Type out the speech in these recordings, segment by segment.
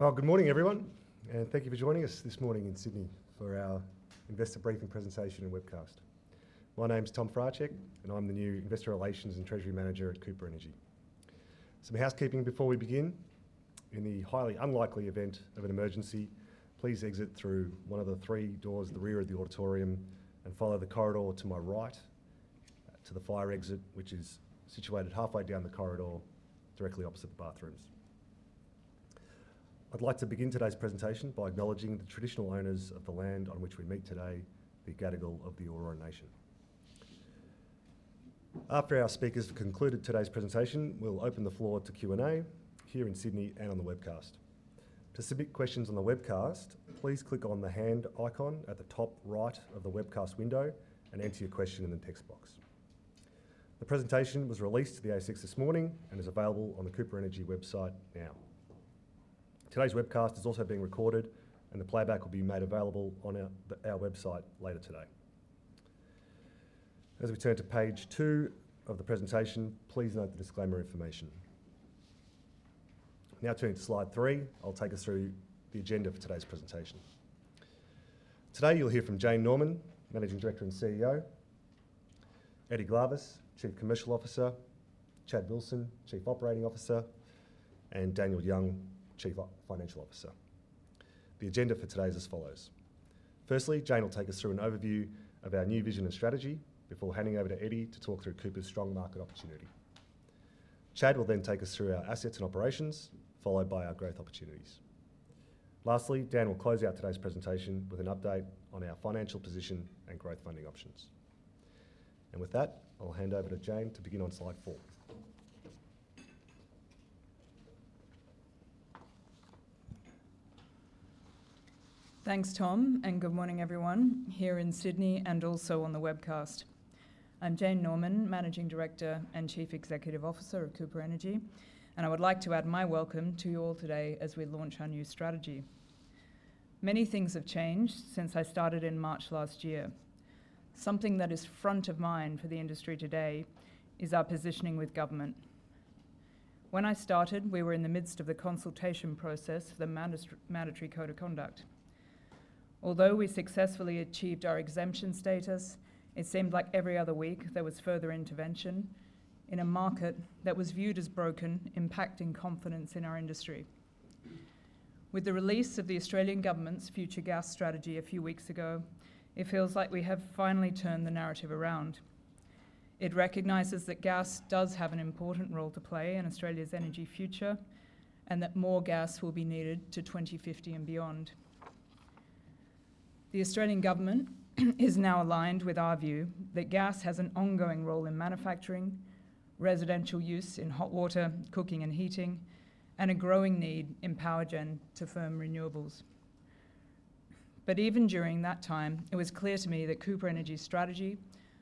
Well, good morning everyone, and thank you for joining us this morning in Sydney for our investor briefing presentation and webcast. My name's Tom Fraczek, and I'm the new Investor Relations and Treasury Manager at Cooper Energy. Some housekeeping before we begin. In the highly unlikely event of an emergency, please exit through one of the three doors at the rear of the auditorium and follow the corridor to my right, to the fire exit, which is situated halfway down the corridor, directly opposite the bathrooms. I'd like to begin today's presentation by acknowledging the traditional owners of the land on which we meet today, the Gadigal of the Eora Nation. After our speakers have concluded today's presentation, we'll open the floor to Q&A here in Sydney and on the webcast. To submit questions on the webcast, please click on the hand icon at the top right of the webcast window and enter your question in the text box. The presentation was released to the ASX this morning and is available on the Cooper Energy website now. Today's webcast is also being recorded, and the playback will be made available on our website later today. As we turn to page two of the presentation, please note the disclaimer information. Now turning to slide three, I'll take us through the agenda for today's presentation. Today, you'll hear from Jane Norman, Managing Director and CEO; Eddy Glavas, Chief Commercial Officer; Chad Wilson, Chief Operating Officer; and Daniel Young, Chief Financial Officer. The agenda for today is as follows: firstly, Jane will take us through an overview of our new vision and strategy before handing over to Eddy to talk through Cooper's strong market opportunity. Chad will then take us through our assets and operations, followed by our growth opportunities. Lastly, Dan will close out today's presentation with an update on our financial position and growth funding options. With that, I'll hand over to Jane to begin on slide four. Thanks, Tom, and good morning everyone here in Sydney and also on the webcast. I'm Jane Norman, Managing Director and Chief Executive Officer of Cooper Energy, and I would like to add my welcome to you all today as we launch our new strategy. Many things have changed since I started in March last year. Something that is front of mind for the industry today is our positioning with government. When I started, we were in the midst of the consultation process for the Mandatory Code of Conduct. Although we successfully achieved our exemption status, it seemed like every other week there was further intervention in a market that was viewed as broken, impacting confidence in our industry. With the release of the Australian Government's Future Gas Strategy a few weeks ago, it feels like we have finally turned the narrative around. It recognizes that gas does have an important role to play in Australia's energy future and that more gas will be needed to 2050 and beyond. The Australian Government is now aligned with our view that gas has an ongoing role in manufacturing, residential use in hot water, cooking and heating, and a growing need in power gen to firm renewables. But even during that time, it was clear to me that Cooper Energy's strategy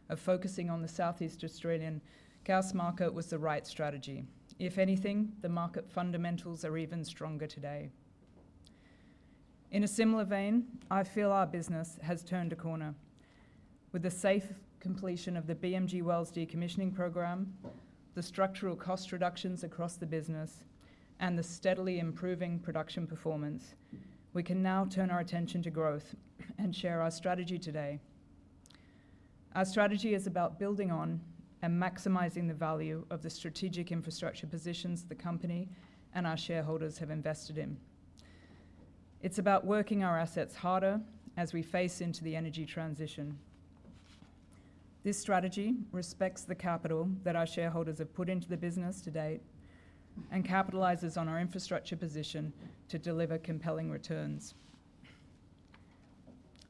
of focusing on the Southeast Australian gas market was the right strategy. If anything, the market fundamentals are even stronger today. In a similar vein, I feel our business has turned a corner. With the safe completion of the BMG wells decommissioning program, the structural cost reductions across the business, and the steadily improving production performance, we can now turn our attention to growth and share our strategy today. Our strategy is about building on and maximizing the value of the strategic infrastructure positions the company and our shareholders have invested in. It's about working our assets harder as we face into the energy transition. This strategy respects the capital that our shareholders have put into the business to date and capitalizes on our infrastructure position to deliver compelling returns.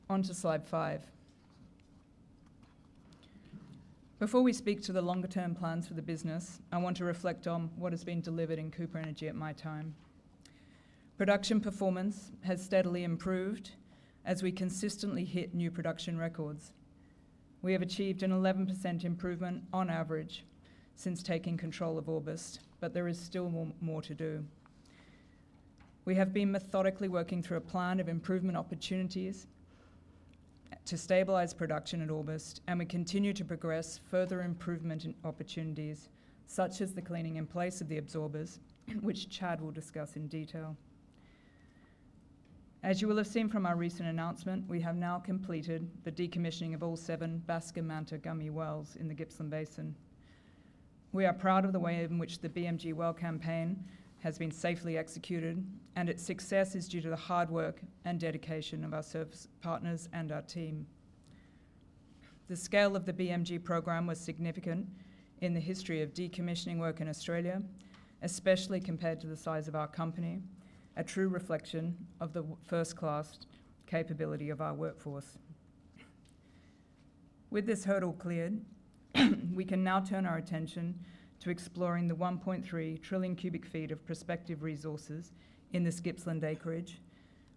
On to slide 5. Before we speak to the longer term plans for the business, I want to reflect on what has been delivered in Cooper Energy at my time. Production performance has steadily improved as we consistently hit new production records. We have achieved an 11% improvement on average since taking control of Orbost, but there is still more, more to do. We have been methodically working through a plan of improvement opportunities to stabilize production at Orbost, and we continue to progress further improvement in opportunities, such as the cleaning in place of the absorbers, which Chad will discuss in detail. As you will have seen from our recent announcement, we have now completed the decommissioning of all 7 Basker Manta Gummy wells in the Gippsland Basin. We are proud of the way in which the BMG well campaign has been safely executed, and its success is due to the hard work and dedication of our service partners and our team. The scale of the BMG program was significant in the history of decommissioning work in Australia, especially compared to the size of our company, a true reflection of the first-class capability of our workforce. With this hurdle cleared, we can now turn our attention to exploring the 1,300,000,000,000 cu ft of prospective resources in this Gippsland acreage,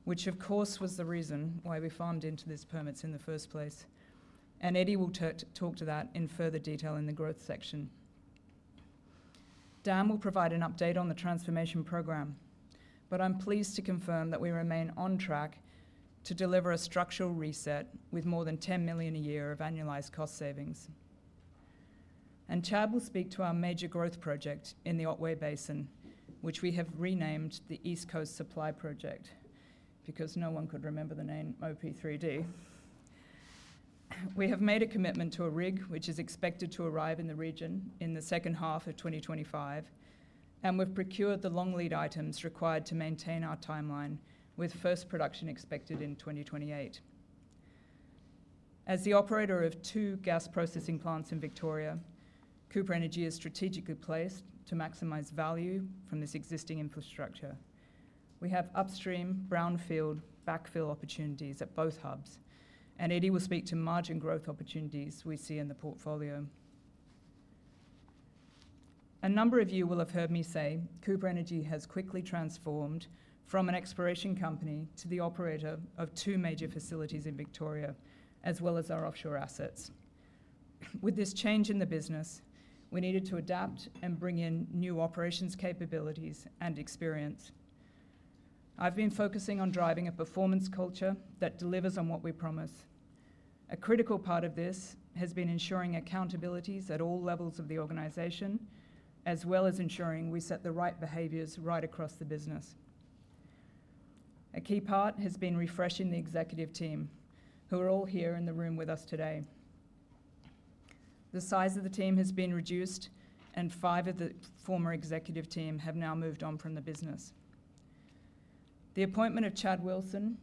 which of course, was the reason why we farmed into these permits in the first place, and Eddy will talk to that in further detail in the growth section. Dan will provide an update on the transformation program, but I'm pleased to confirm that we remain on track to deliver a structural reset with more than 10,000,000 a year of annualized cost savings, and Chad will speak to our major growth project in the Otway Basin, which we have renamed the East Coast Supply Project, because no one could remember the name OP3D. We have made a commitment to a rig, which is expected to arrive in the region in the second half of 2025, and we've procured the long lead items required to maintain our timeline, with first production expected in 2028. As the operator of two gas processing plants in Victoria, Cooper Energy is strategically placed to maximize value from this existing infrastructure. We have upstream, brownfield, backfill opportunities at both hubs, and Eddy will speak to margin growth opportunities we see in the portfolio. A number of you will have heard me say Cooper Energy has quickly transformed from an exploration company to the operator of two major facilities in Victoria, as well as our offshore assets. With this change in the business, we needed to adapt and bring in new operations capabilities and experience. I've been focusing on driving a performance culture that delivers on what we promise. A critical part of this has been ensuring accountabilities at all levels of the organization, as well as ensuring we set the right behaviors right across the business. A key part has been refreshing the executive team, who are all here in the room with us today. The size of the team has been reduced, and five of the former executive team have now moved on from the business. The appointment of Chad Wilson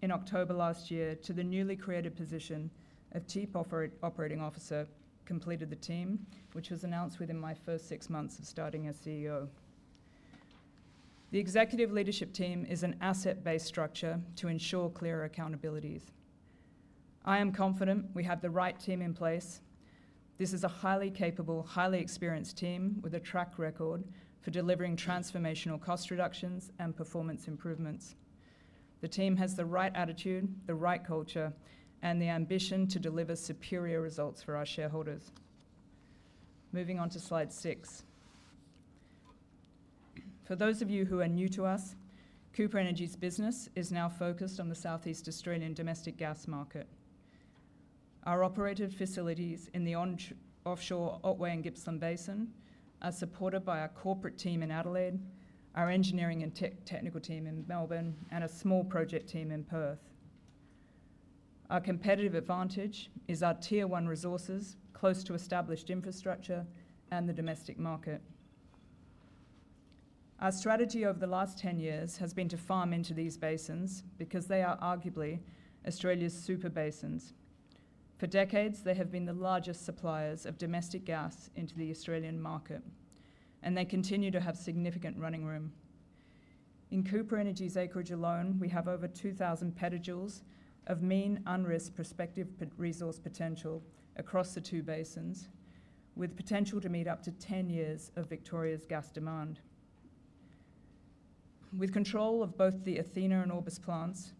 in October last year to the newly created position of Chief Operating Officer completed the team, which was announced within my first six months of starting as CEO. The executive leadership team is an asset-based structure to ensure clear accountabilities. I am confident we have the right team in place. This is a highly capable, highly experienced team with a track record for delivering transformational cost reductions and performance improvements. The team has the right attitude, the right culture, and the ambition to deliver superior results for our shareholders. Moving on to slide 6. For those of you who are new to us, Cooper Energy's business is now focused on the Southeast Australian domestic gas market. Our operated facilities in the offshore Otway and Gippsland Basin are supported by our corporate team in Adelaide, our engineering and technical team in Melbourne, and a small project team in Perth. Our competitive advantage is our tier one resources, close to established infrastructure and the domestic market. Our strategy over the last 10 years has been to farm into these basins because they are arguably Australia's super basins. For decades, they have been the largest suppliers of domestic gas into the Australian market, and they continue to have significant running room. In Cooper Energy's acreage alone, we have over 2,000 petajoules of mean, unrisked prospective resource potential across the two basins, with potential to meet up to 10 years of Victoria's gas demand. With control of both the Athena and Orbost plants,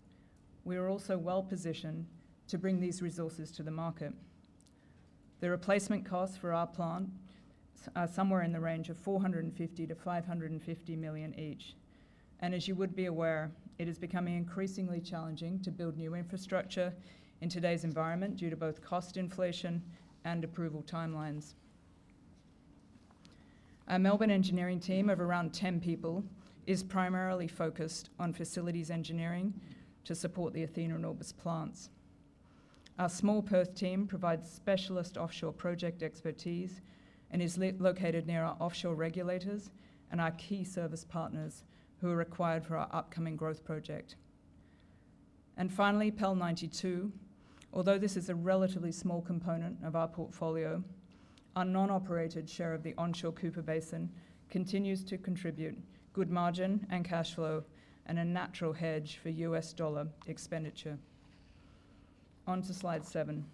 we are also well-positioned to bring these resources to the market. The replacement costs for our plant are somewhere in the range of 450,000,000-550,000,000 each, and as you would be aware, it is becoming increasingly challenging to build new infrastructure in today's environment due to both cost inflation and approval timelines. Our Melbourne engineering team of around 10 people is primarily focused on facilities engineering to support the Athena and Orbost plants. Our small Perth team provides specialist offshore project expertise and is located near our offshore regulators and our key service partners who are required for our upcoming growth project. And finally, PEL 92. Although this is a relatively small component of our portfolio, our non-operated share of the onshore Cooper Basin continues to contribute good margin and cash flow and a natural hedge for US dollar expenditure. On to slide 7.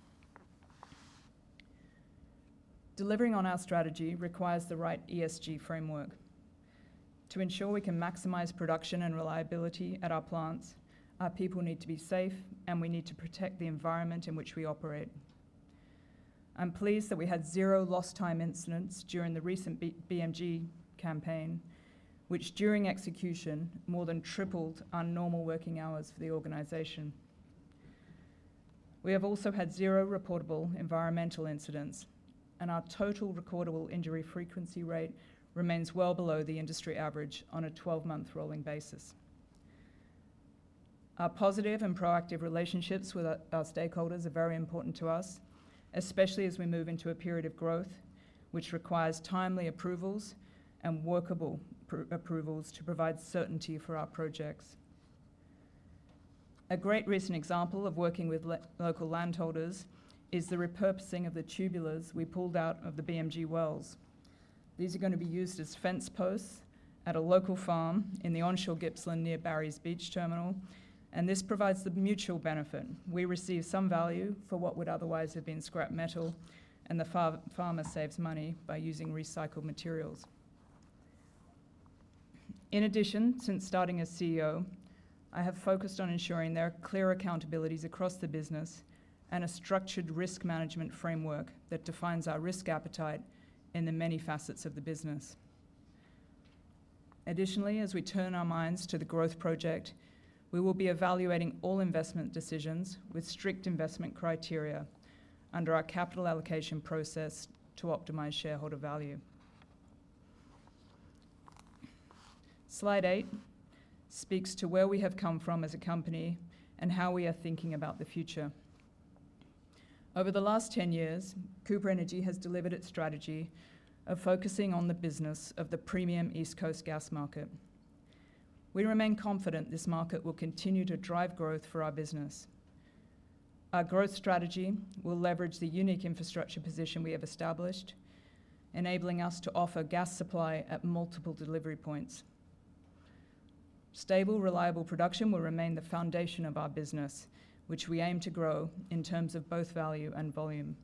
Delivering on our strategy requires the right ESG framework. To ensure we can maximize production and reliability at our plants, our people need to be safe, and we need to protect the environment in which we operate. I'm pleased that we had 0 lost time incidents during the recent BMG campaign, which during execution, more than tripled our normal working hours for the organization. We have also had zero reportable environmental incidents, and our total recordable injury frequency rate remains well below the industry average on a 12-month rolling basis. Our positive and proactive relationships with our stakeholders are very important to us, especially as we move into a period of growth, which requires timely approvals and workable pre-approvals to provide certainty for our projects. A great recent example of working with local landholders is the repurposing of the tubulars we pulled out of the BMG wells. These are gonna be used as fence posts at a local farm in the onshore Gippsland, near Barry Beach terminal, and this provides the mutual benefit. We receive some value for what would otherwise have been scrap metal, and the farmer saves money by using recycled materials. In addition, since starting as CEO, I have focused on ensuring there are clear accountabilities across the business and a structured risk management framework that defines our risk appetite in the many facets of the business. Additionally, as we turn our minds to the growth project, we will be evaluating all investment decisions with strict investment criteria under our capital allocation process to optimize shareholder value. Slide 8 speaks to where we have come from as a company and how we are thinking about the future. Over the last 10 years, Cooper Energy has delivered its strategy of focusing on the business of the premium East Coast gas market. We remain confident this market will continue to drive growth for our business. Our growth strategy will leverage the unique infrastructure position we have established, enabling us to offer gas supply at multiple delivery points. Stable, reliable production will remain the foundation of our business, which we aim to grow in terms of both value and volume.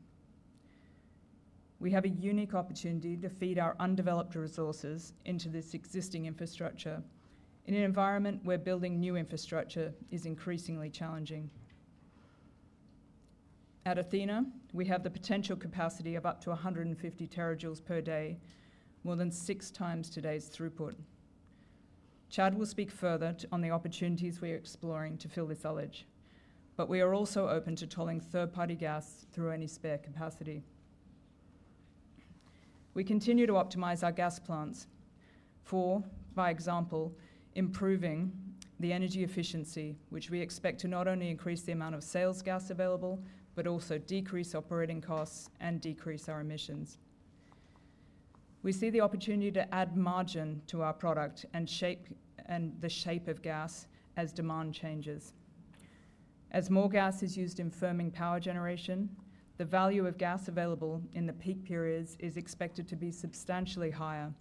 We have a unique opportunity to feed our undeveloped resources into this existing infrastructure, in an environment where building new infrastructure is increasingly challenging. At Athena, we have the potential capacity of up to 150 terajoules per day, more than six times today's throughput. Chad will speak further on the opportunities we are exploring to fill this allotment, but we are also open to tolling third-party gas through any spare capacity. We continue to optimize our gas plants for example, improving the energy efficiency, which we expect to not only increase the amount of sales gas available, but also decrease operating costs and decrease our emissions. We see the opportunity to add margin to our product and shape - and the shape of gas as demand changes. As more gas is used in firming power generation, the value of gas available in the peak periods is expected to be substantially higher,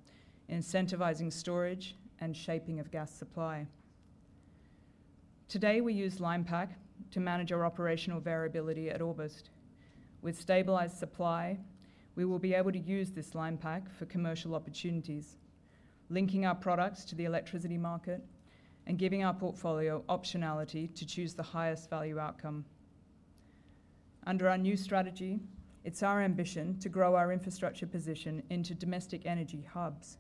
incentivizing storage and shaping of gas supply. Today, we use line pack to manage our operational variability at Orbost. With stabilized supply, we will be able to use this line pack for commercial opportunities, linking our products to the electricity market and giving our portfolio optionality to choose the highest value outcome. Under our new strategy, it's our ambition to grow our infrastructure position into domestic energy hubs,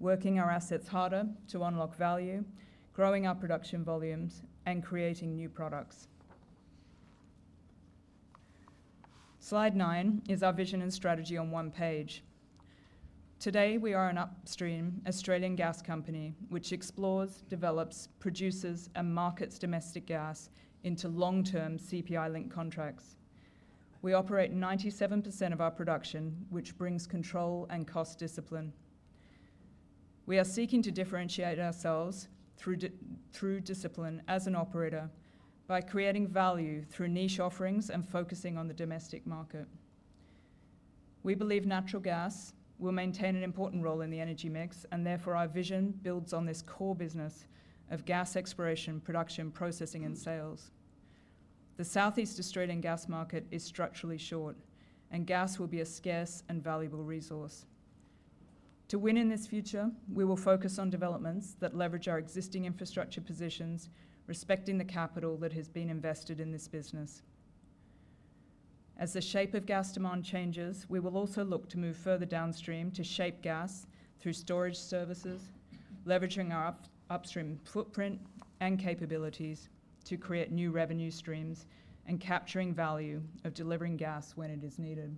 working our assets harder to unlock value, growing our production volumes, and creating new products. Slide nine is our vision and strategy on one page. Today, we are an upstream Australian gas company, which explores, develops, produces, and markets domestic gas into long-term CPI-linked contracts. We operate 97% of our production, which brings control and cost discipline. We are seeking to differentiate ourselves through discipline as an operator by creating value through niche offerings and focusing on the domestic market. We believe natural gas will maintain an important role in the energy mix, and therefore, our vision builds on this core business of gas exploration, production, processing, and sales. The Southeast Australian gas market is structurally short, and gas will be a scarce and valuable resource. To win in this future, we will focus on developments that leverage our existing infrastructure positions, respecting the capital that has been invested in this business. As the shape of gas demand changes, we will also look to move further downstream to shape gas through storage services, leveraging our upstream footprint and capabilities to create new revenue streams and capturing value of delivering gas when it is needed.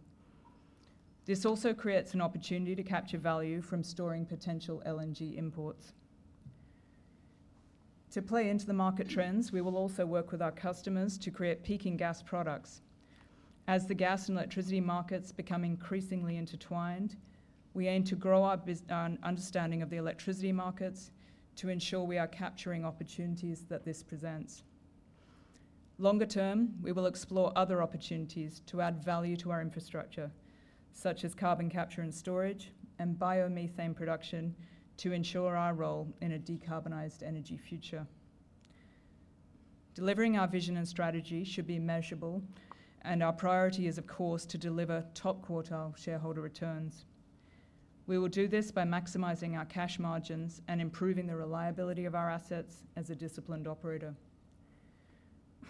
This also creates an opportunity to capture value from storing potential LNG imports. To play into the market trends, we will also work with our customers to create peaking gas products. As the gas and electricity markets become increasingly intertwined, we aim to grow our understanding of the electricity markets to ensure we are capturing opportunities that this presents. Longer term, we will explore other opportunities to add value to our infrastructure, such as carbon capture and storage and biomethane production, to ensure our role in a decarbonized energy future. Delivering our vision and strategy should be measurable, and our priority is, of course, to deliver top-quartile shareholder returns. We will do this by maximizing our cash margins and improving the reliability of our assets as a disciplined operator.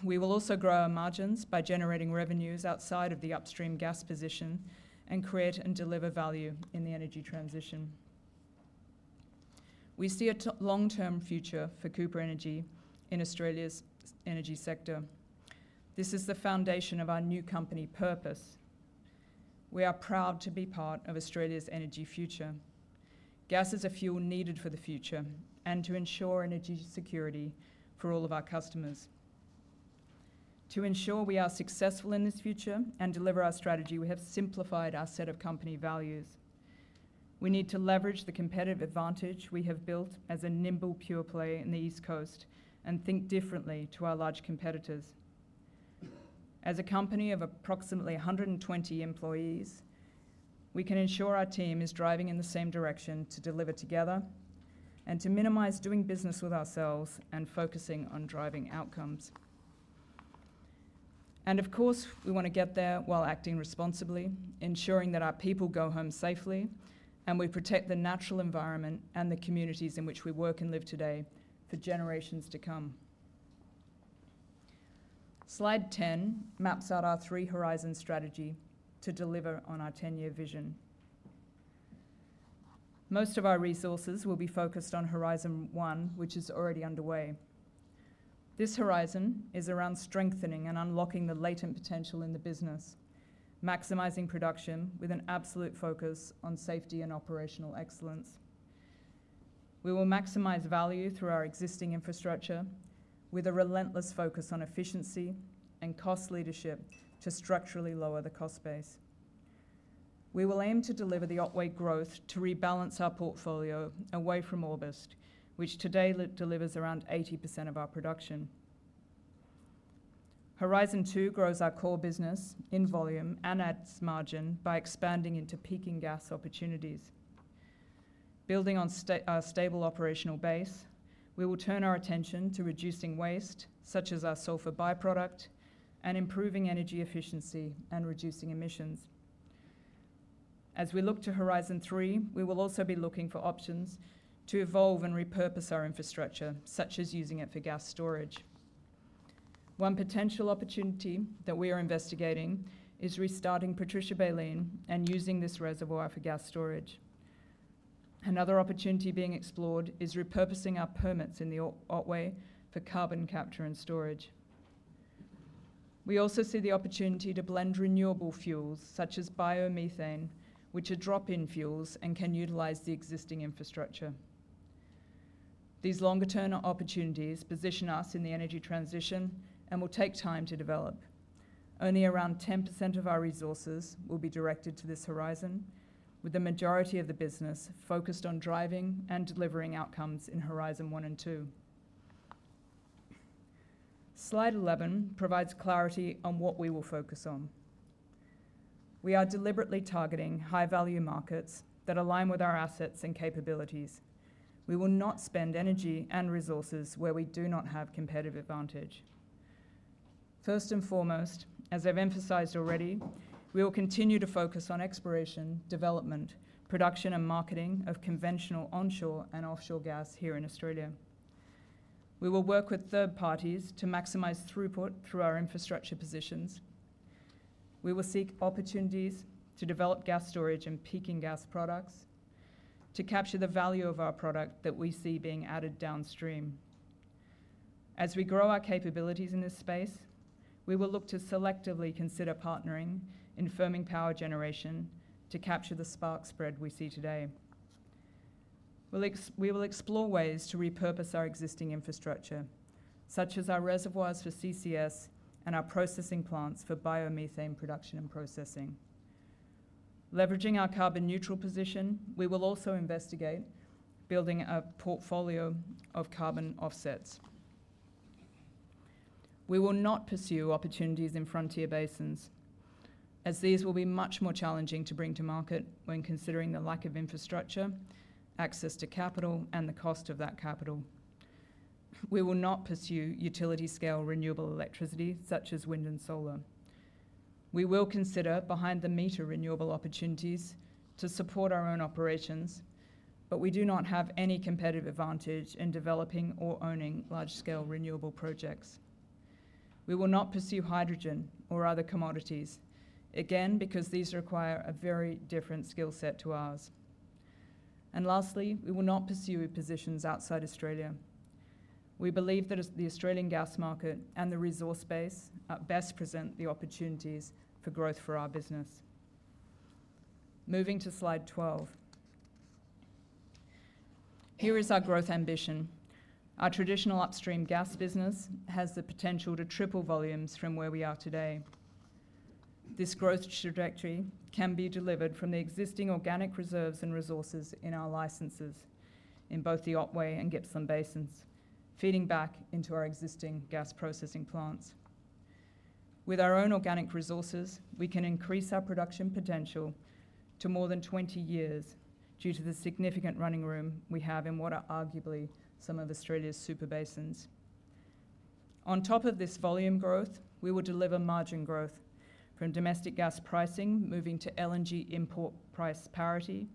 We will also grow our margins by generating revenues outside of the upstream gas position and create and deliver value in the energy transition. We see a long-term future for Cooper Energy in Australia's energy sector. This is the foundation of our new company purpose. We are proud to be part of Australia's energy future. Gas is a fuel needed for the future and to ensure energy security for all of our customers. To ensure we are successful in this future and deliver our strategy, we have simplified our set of company values. We need to leverage the competitive advantage we have built as a nimble, pure play in the East Coast and think differently to our large competitors. As a company of approximately 120 employees, we can ensure our team is driving in the same direction to deliver together and to minimize doing business with ourselves and focusing on driving outcomes. And of course, we wanna get there while acting responsibly, ensuring that our people go home safely, and we protect the natural environment and the communities in which we work and live today for generations to come. Slide 10 maps out our three horizon strategy to deliver on our ten-year vision. Most of our resources will be focused on Horizon One, which is already underway. This horizon is around strengthening and unlocking the latent potential in the business, maximizing production with an absolute focus on safety and operational excellence. We will maximize value through our existing infrastructure, with a relentless focus on efficiency and cost leadership to structurally lower the cost base. We will aim to deliver the Otway growth to rebalance our portfolio away from Orbost, which today delivers around 80% of our production. Horizon Two grows our core business in volume and adds margin by expanding into peaking gas opportunities. Building on our stable operational base, we will turn our attention to reducing waste, such as our sulfur by-product, and improving energy efficiency and reducing emissions. As we look to Horizon Three, we will also be looking for options to evolve and repurpose our infrastructure, such as using it for gas storage. One potential opportunity that we are investigating is restarting Patricia Baleen and using this reservoir for gas storage. Another opportunity being explored is repurposing our permits in the Otway for carbon capture and storage. We also see the opportunity to blend renewable fuels, such as biomethane, which are drop-in fuels and can utilize the existing infrastructure. These longer-term opportunities position us in the energy transition and will take time to develop. Only around 10% of our resources will be directed to this horizon, with the majority of the business focused on driving and delivering outcomes in Horizon One and Two. Slide 11 provides clarity on what we will focus on. We are deliberately targeting high-value markets that align with our assets and capabilities. We will not spend energy and resources where we do not have competitive advantage. First and foremost, as I've emphasized already, we will continue to focus on exploration, development, production, and marketing of conventional onshore and offshore gas here in Australia. We will work with third parties to maximize throughput through our infrastructure positions. We will seek opportunities to develop gas storage and peaking gas products to capture the value of our product that we see being added downstream. As we grow our capabilities in this space, we will look to selectively consider partnering in firming power generation to capture the spark spread we see today. We will explore ways to repurpose our existing infrastructure, such as our reservoirs for CCS and our processing plants for biomethane production and processing. Leveraging our carbon neutral position, we will also investigate building a portfolio of carbon offsets. We will not pursue opportunities in frontier basins, as these will be much more challenging to bring to market when considering the lack of infrastructure, access to capital, and the cost of that capital. We will not pursue utility-scale renewable electricity, such as wind and solar. We will consider behind-the-meter renewable opportunities to support our own operations, but we do not have any competitive advantage in developing or owning large-scale renewable projects. We will not pursue hydrogen or other commodities, again, because these require a very different skill set to ours. And lastly, we will not pursue positions outside Australia. We believe that as the Australian gas market and the resource base best present the opportunities for growth for our business. Moving to slide 12. Here is our growth ambition. Our traditional upstream gas business has the potential to triple volumes from where we are today. This growth trajectory can be delivered from the existing organic reserves and resources in our licenses in both the Otway and Gippsland basins, feeding back into our existing gas processing plants. With our own organic resources, we can increase our production potential to more than 20 years due to the significant running room we have in what are arguably some of Australia's super basins. On top of this volume growth, we will deliver margin growth from domestic gas pricing, moving to LNG import price parity,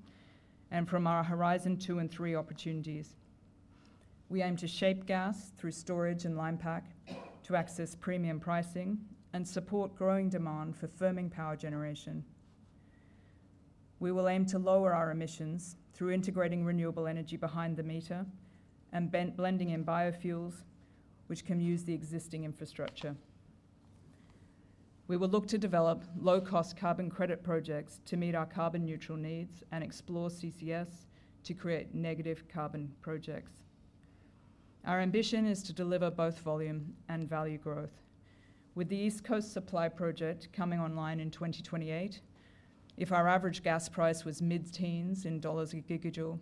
and from our Horizon Two and Three opportunities. We aim to shape gas through storage and line pack to access premium pricing and support growing demand for firming power generation. We will aim to lower our emissions through integrating renewable energy behind the meter and blending in biofuels, which can use the existing infrastructure. We will look to develop low-cost carbon credit projects to meet our carbon neutral needs and explore CCS to create negative carbon projects. Our ambition is to deliver both volume and value growth. With the East Coast Supply Project coming online in 2028, if our average gas price was mid-teens AUD/gigajoule,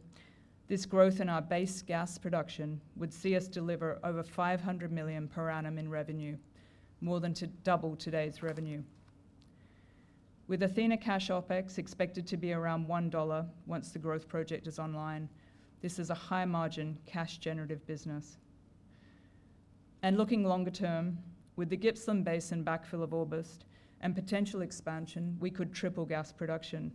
this growth in our base gas production would see us deliver over 500,000,000 per annum in revenue, more than to double today's revenue. With Athena cash OpEx expected to be around 1 dollar once the growth project is online, this is a high-margin, cash-generative business. Looking longer term, with the Gippsland Basin backfill of Orbost and potential expansion, we could triple gas production...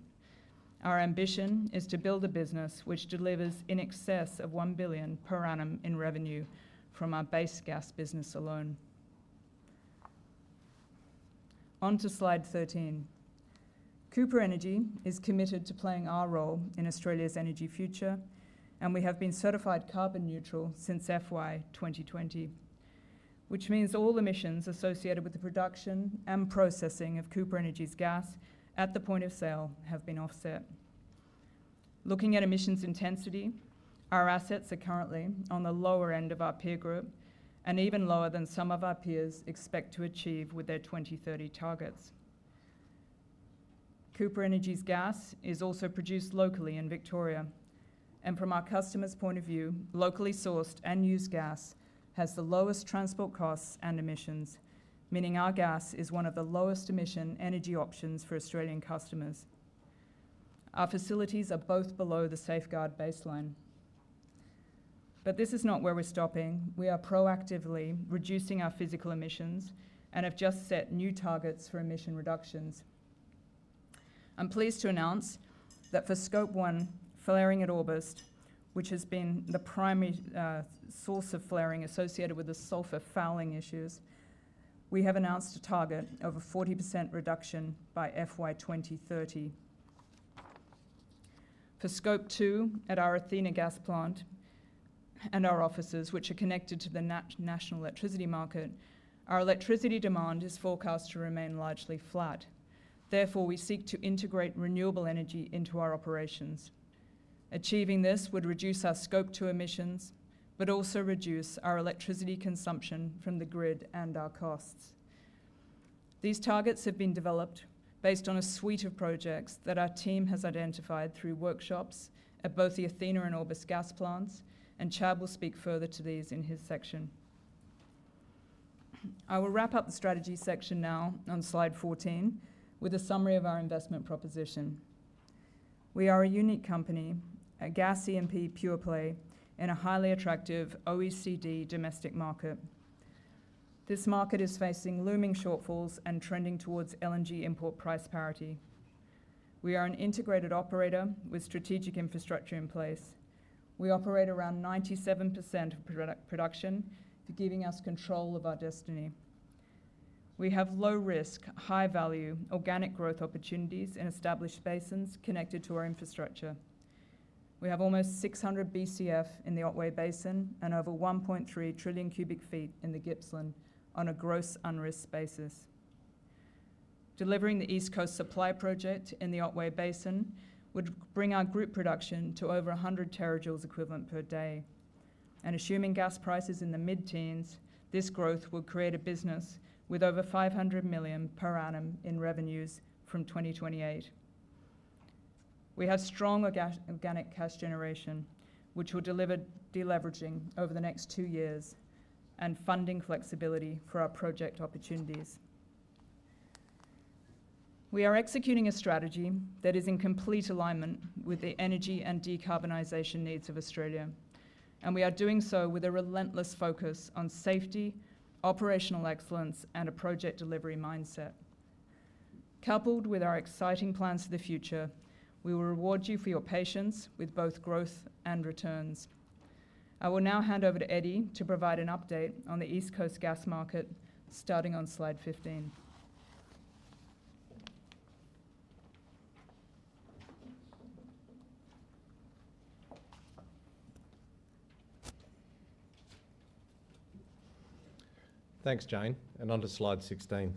Our ambition is to build a business which delivers in excess of 1,000,000,000 per annum in revenue from our base gas business alone. On to slide 13. Cooper Energy is committed to playing our role in Australia's energy future, and we have been certified carbon neutral since FY 2020, which means all emissions associated with the production and processing of Cooper Energy's gas at the point of sale have been offset. Looking at emissions intensity, our assets are currently on the lower end of our peer group and even lower than some of our peers expect to achieve with their 2030 targets. Cooper Energy's gas is also produced locally in Victoria, and from our customer's point of view, locally sourced and used gas has the lowest transport costs and emissions, meaning our gas is one of the lowest emission energy options for Australian customers. Our facilities are both below the safeguard baseline. But this is not where we're stopping. We are proactively reducing our physical emissions and have just set new targets for emission reductions. I'm pleased to announce that for Scope One, flaring at Orbost, which has been the primary source of flaring associated with the sulfur fouling issues, we have announced a target of a 40% reduction by FY 2030. For Scope Two, at our Athena Gas Plant and our offices, which are connected to the National Electricity Market, our electricity demand is forecast to remain largely flat. Therefore, we seek to integrate renewable energy into our operations. Achieving this would reduce our Scope Two emissions, but also reduce our electricity consumption from the grid and our costs. These targets have been developed based on a suite of projects that our team has identified through workshops at both the Athena and Orbost gas plants, and Chad will speak further to these in his section. I will wrap up the strategy section now on slide 14 with a summary of our investment proposition. We are a unique company, a gas E&P pure play in a highly attractive OECD domestic market. This market is facing looming shortfalls and trending towards LNG import price parity. We are an integrated operator with strategic infrastructure in place. We operate around 97% of production, giving us control of our destiny. We have low risk, high value, organic growth opportunities in established basins connected to our infrastructure. We have almost 600 BCF in the Otway Basin and over 1,300,000,000,000 cu ft in the Gippsland on a gross unrisked basis. Delivering the East Coast Supply Project in the Otway Basin would bring our group production to over 100 terajoules equivalent per day. Assuming gas prices in the mid-teens, this growth will create a business with over 500,000,000 per annum in revenues from 2028. We have strong organic cash generation, which will deliver deleveraging over the next two years and funding flexibility for our project opportunities. We are executing a strategy that is in complete alignment with the energy and decarbonization needs of Australia, and we are doing so with a relentless focus on safety, operational excellence, and a project delivery mindset. Coupled with our exciting plans for the future, we will reward you for your patience with both growth and returns. I will now hand over to Eddy to provide an update on the East Coast Gas Market, starting on slide 15. Thanks, Jane, and on to slide 16.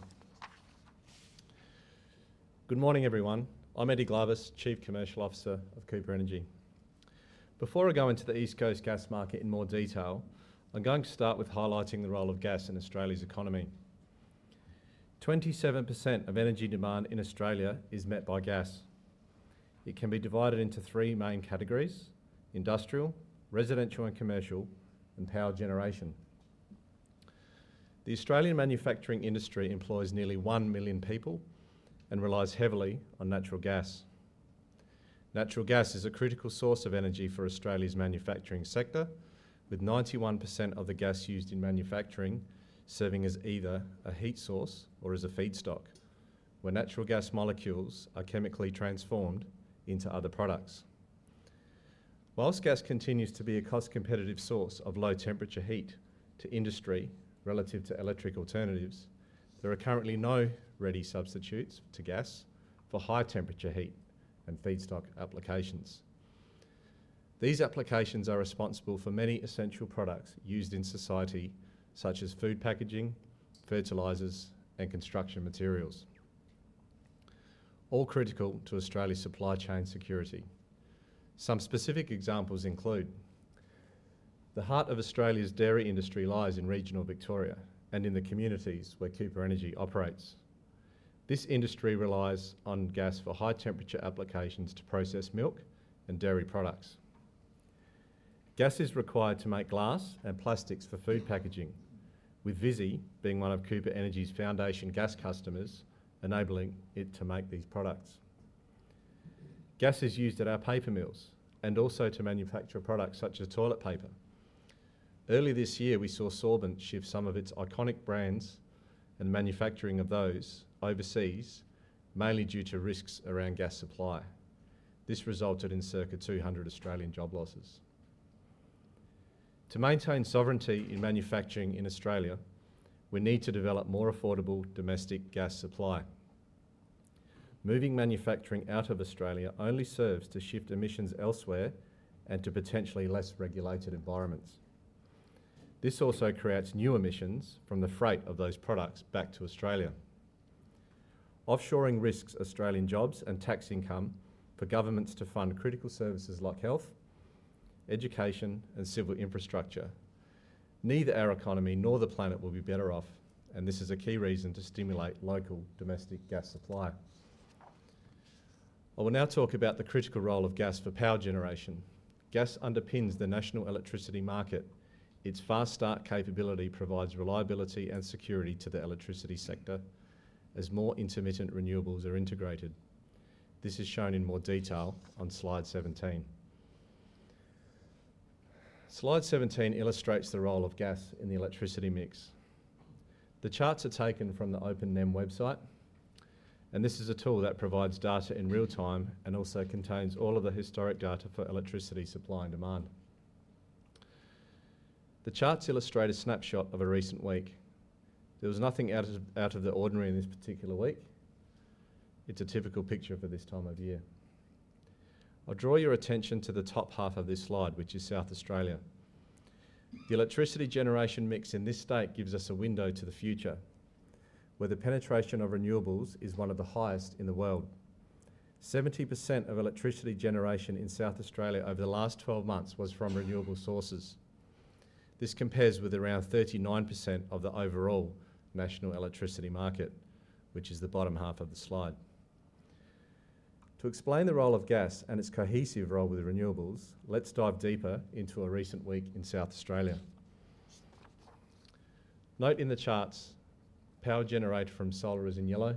Good morning, everyone. I'm Eddy Glavas, Chief Commercial Officer of Cooper Energy. Before I go into the East Coast Gas Market in more detail, I'm going to start with highlighting the role of gas in Australia's economy. 27% of energy demand in Australia is met by gas. It can be divided into three main categories: industrial, residential and commercial, and power generation. The Australian manufacturing industry employs nearly 1,000,000 people and relies heavily on natural gas. Natural gas is a critical source of energy for Australia's manufacturing sector, with 91% of the gas used in manufacturing serving as either a heat source or as a feedstock, where natural gas molecules are chemically transformed into other products. While gas continues to be a cost-competitive source of low-temperature heat to industry relative to electric alternatives, there are currently no ready substitutes to gas for high-temperature heat and feedstock applications. These applications are responsible for many essential products used in society, such as food packaging, fertilizers, and construction materials, all critical to Australia's supply chain security. Some specific examples include: the heart of Australia's dairy industry lies in regional Victoria and in the communities where Cooper Energy operates. This industry relies on gas for high-temperature applications to process milk and dairy products. Gas is required to make glass and plastics for food packaging, with Visy being one of Cooper Energy's foundation gas customers, enabling it to make these products. Gas is used at our paper mills and also to manufacture products such as toilet paper... Early this year, we saw Sorbent shift some of its iconic brands and manufacturing of those overseas, mainly due to risks around gas supply. This resulted in circa 200 Australian job losses. To maintain sovereignty in manufacturing in Australia, we need to develop more affordable domestic gas supply. Moving manufacturing out of Australia only serves to shift emissions elsewhere and to potentially less regulated environments. This also creates new emissions from the freight of those products back to Australia. Offshoring risks Australian jobs and tax income for governments to fund critical services like health, education, and civil infrastructure. Neither our economy nor the planet will be better off, and this is a key reason to stimulate local domestic gas supply. I will now talk about the critical role of gas for power generation. Gas underpins the national electricity market. Its fast start capability provides reliability and security to the electricity sector as more intermittent renewables are integrated. This is shown in more detail on slide 17. Slide 17 illustrates the role of gas in the electricity mix. The charts are taken from the OpenNEM website, and this is a tool that provides data in real time and also contains all of the historic data for electricity supply and demand. The charts illustrate a snapshot of a recent week. There was nothing out of the ordinary in this particular week. It's a typical picture for this time of year. I'll draw your attention to the top half of this slide, which is South Australia. The electricity generation mix in this state gives us a window to the future, where the penetration of renewables is one of the highest in the world. 70% of electricity generation in South Australia over the last 12 months was from renewable sources. This compares with around 39% of the overall national electricity market, which is the bottom half of the slide. To explain the role of gas and its cohesive role with renewables, let's dive deeper into a recent week in South Australia. Note in the charts, power generated from solar is in yellow,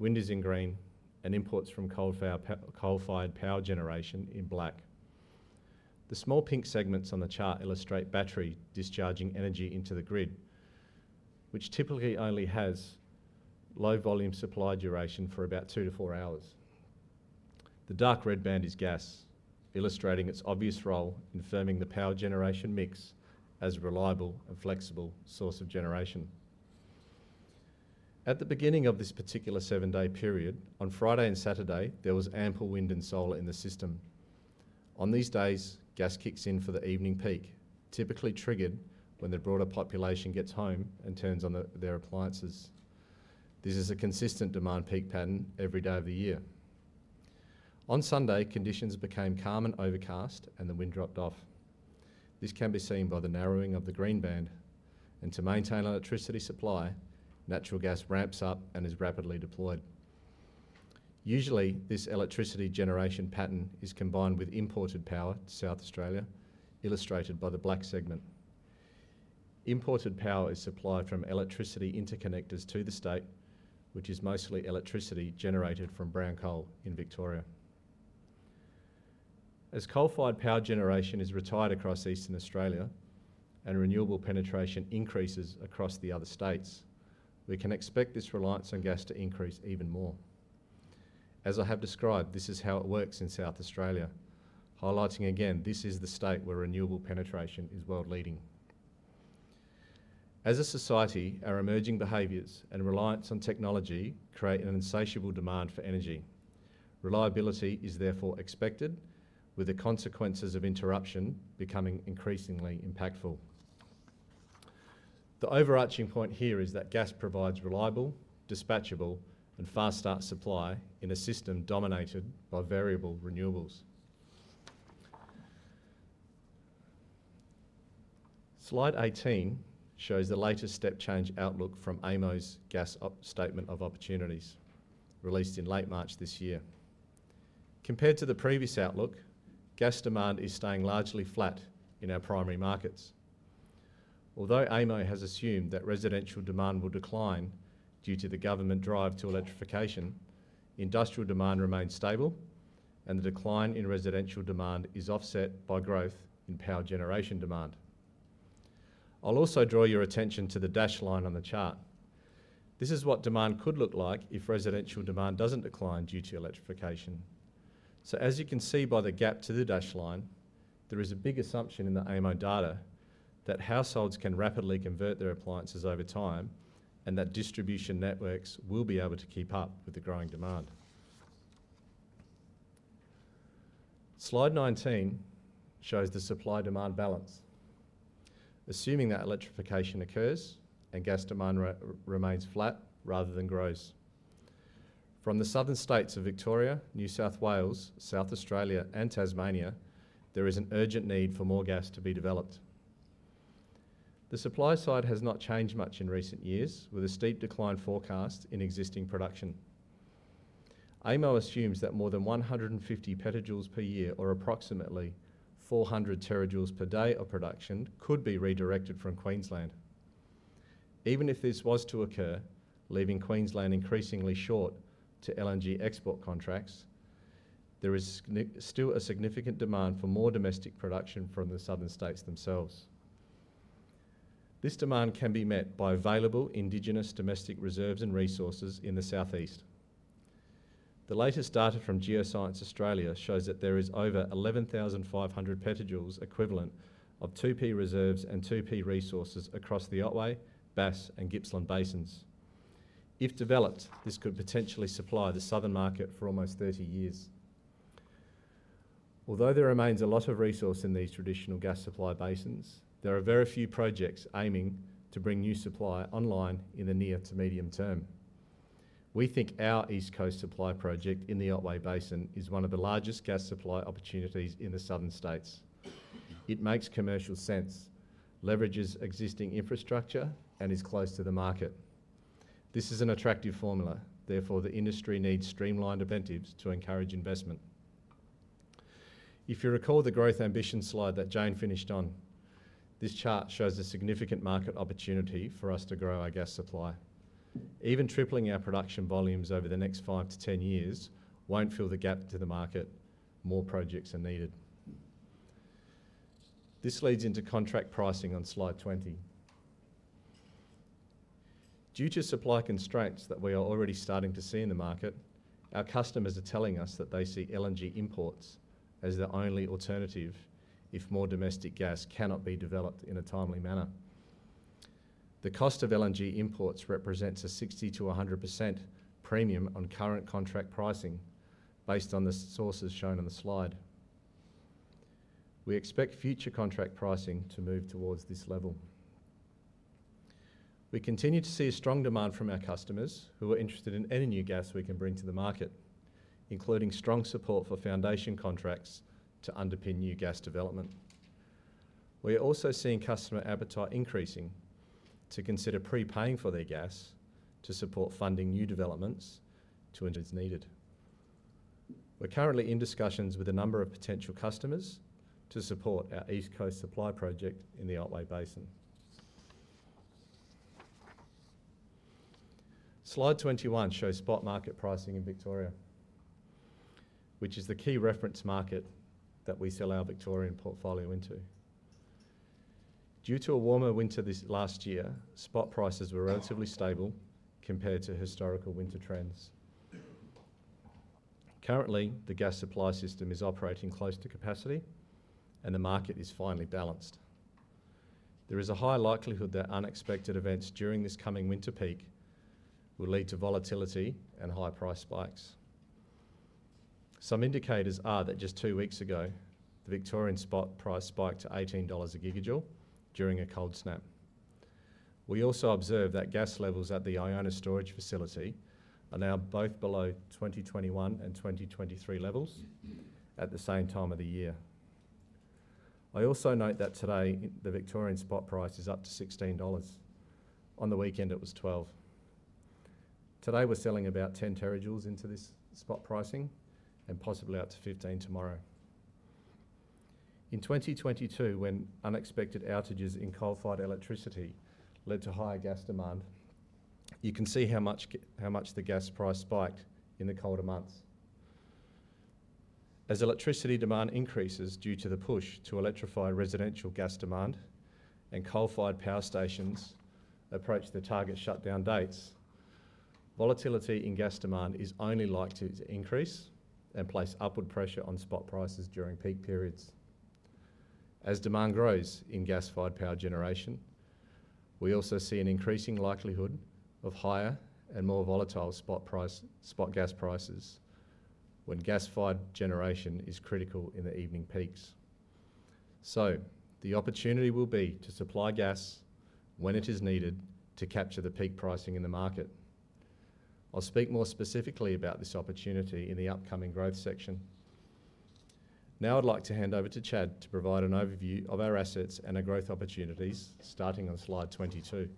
wind is in green, and imports from coal-fired power generation in black. The small pink segments on the chart illustrate battery discharging energy into the grid, which typically only has low volume supply duration for about 2-4 hours. The dark red band is gas, illustrating its obvious role in firming the power generation mix as a reliable and flexible source of generation. At the beginning of this particular seven-day period, on Friday and Saturday, there was ample wind and solar in the system. On these days, gas kicks in for the evening peak, typically triggered when the broader population gets home and turns on their appliances. This is a consistent demand peak pattern every day of the year. On Sunday, conditions became calm and overcast, and the wind dropped off. This can be seen by the narrowing of the green band, and to maintain electricity supply, natural gas ramps up and is rapidly deployed. Usually, this electricity generation pattern is combined with imported power to South Australia, illustrated by the black segment. Imported power is supplied from electricity interconnectors to the state, which is mostly electricity generated from brown coal in Victoria. As coal-fired power generation is retired across eastern Australia and renewable penetration increases across the other states, we can expect this reliance on gas to increase even more. As I have described, this is how it works in South Australia, highlighting again, this is the state where renewable penetration is world-leading. As a society, our emerging behaviors and reliance on technology create an insatiable demand for energy. Reliability is therefore expected, with the consequences of interruption becoming increasingly impactful. The overarching point here is that gas provides reliable, dispatchable, and fast start supply in a system dominated by variable renewables. Slide 18 shows the latest step change outlook from AEMO's Gas Statement of Opportunities, released in late March this year. Compared to the previous outlook, gas demand is staying largely flat in our primary markets. Although AEMO has assumed that residential demand will decline due to the government drive to electrification, industrial demand remains stable, and the decline in residential demand is offset by growth in power generation demand. I'll also draw your attention to the dashed line on the chart. This is what demand could look like if residential demand doesn't decline due to electrification. So as you can see by the gap to the dashed line, there is a big assumption in the AEMO data that households can rapidly convert their appliances over time and that distribution networks will be able to keep up with the growing demand. Slide 19 shows the supply-demand balance, assuming that electrification occurs and gas demand remains flat rather than grows. From the southern states of Victoria, New South Wales, South Australia and Tasmania, there is an urgent need for more gas to be developed. The supply side has not changed much in recent years, with a steep decline forecast in existing production. AEMO assumes that more than 150 petajoules per year, or approximately 400 terajoules per day of production, could be redirected from Queensland. Even if this was to occur, leaving Queensland increasingly short to LNG export contracts, there is still a significant demand for more domestic production from the southern states themselves. This demand can be met by available indigenous domestic reserves and resources in the southeast. The latest data from Geoscience Australia shows that there is over 11,500 petajoules equivalent of 2P reserves and 2P resources across the Otway, Bass, and Gippsland basins. If developed, this could potentially supply the southern market for almost 30 years. Although there remains a lot of resource in these traditional gas supply basins, there are very few projects aiming to bring new supply online in the near to medium term. We think our East Coast Supply Project in the Otway Basin is one of the largest gas supply opportunities in the southern states. It makes commercial sense, leverages existing infrastructure, and is close to the market. This is an attractive formula, therefore, the industry needs streamlined incentives to encourage investment. If you recall the growth ambition slide that Jane finished on, this chart shows a significant market opportunity for us to grow our gas supply. Even tripling our production volumes over the next 5-10 years won't fill the gap to the market. More projects are needed. This leads into contract pricing on slide 20. Due to supply constraints that we are already starting to see in the market, our customers are telling us that they see LNG imports as the only alternative if more domestic gas cannot be developed in a timely manner. The cost of LNG imports represents a 60%-100% premium on current contract pricing, based on the sources shown on the slide. We expect future contract pricing to move towards this level. We continue to see a strong demand from our customers who are interested in any new gas we can bring to the market, including strong support for foundation contracts to underpin new gas development. We are also seeing customer appetite increasing to consider pre-paying for their gas to support funding new developments to when it is needed. We're currently in discussions with a number of potential customers to support our East Coast Supply Project in the Otway Basin. Slide 21 shows spot market pricing in Victoria, which is the key reference market that we sell our Victorian portfolio into. Due to a warmer winter this last year, spot prices were relatively stable compared to historical winter trends. Currently, the gas supply system is operating close to capacity, and the market is finely balanced. There is a high likelihood that unexpected events during this coming winter peak will lead to volatility and high price spikes. Some indicators are that just 2 weeks ago, the Victorian spot price spiked to 18 dollars a gigajoule during a cold snap. We also observed that gas levels at the Iona storage facility are now both below 2021 and 2023 levels at the same time of the year. I also note that today, the Victorian spot price is up to 16 dollars. On the weekend, it was 12. Today, we're selling about 10 terajoules into this spot pricing and possibly out to 15 tomorrow. In 2022, when unexpected outages in coal-fired electricity led to higher gas demand, you can see how much the gas price spiked in the colder months. As electricity demand increases due to the push to electrify residential gas demand and coal-fired power stations approach the target shutdown dates, volatility in gas demand is only likely to increase and place upward pressure on spot prices during peak periods. As demand grows in gas-fired power generation, we also see an increasing likelihood of higher and more volatile spot price, spot gas prices when gas-fired generation is critical in the evening peaks. The opportunity will be to supply gas when it is needed to capture the peak pricing in the market. I'll speak more specifically about this opportunity in the upcoming growth section. Now, I'd like to hand over to Chad to provide an overview of our assets and our growth opportunities, starting on slide 22.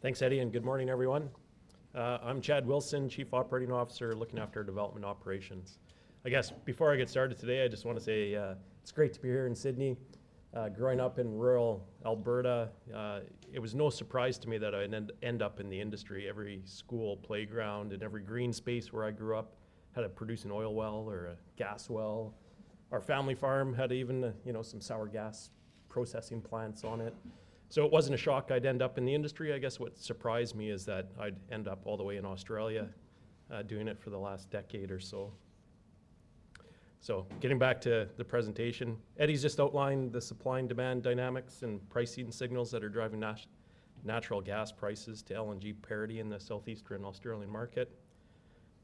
Thanks, Eddy, and good morning, everyone. I'm Chad Wilson, Chief Operating Officer, looking after development operations. I guess before I get started today, I just want to say, it's great to be here in Sydney. Growing up in rural Alberta, it was no surprise to me that I'd end up in the industry. Every school playground and every green space where I grew up had a producing oil well or a gas well. Our family farm had even, you know, some sour gas processing plants on it. So it wasn't a shock I'd end up in the industry. I guess what surprised me is that I'd end up all the way in Australia, doing it for the last decade or so. So getting back to the presentation, Eddy's just outlined the supply and demand dynamics and pricing signals that are driving natural gas prices to LNG parity in the southeastern Australian market.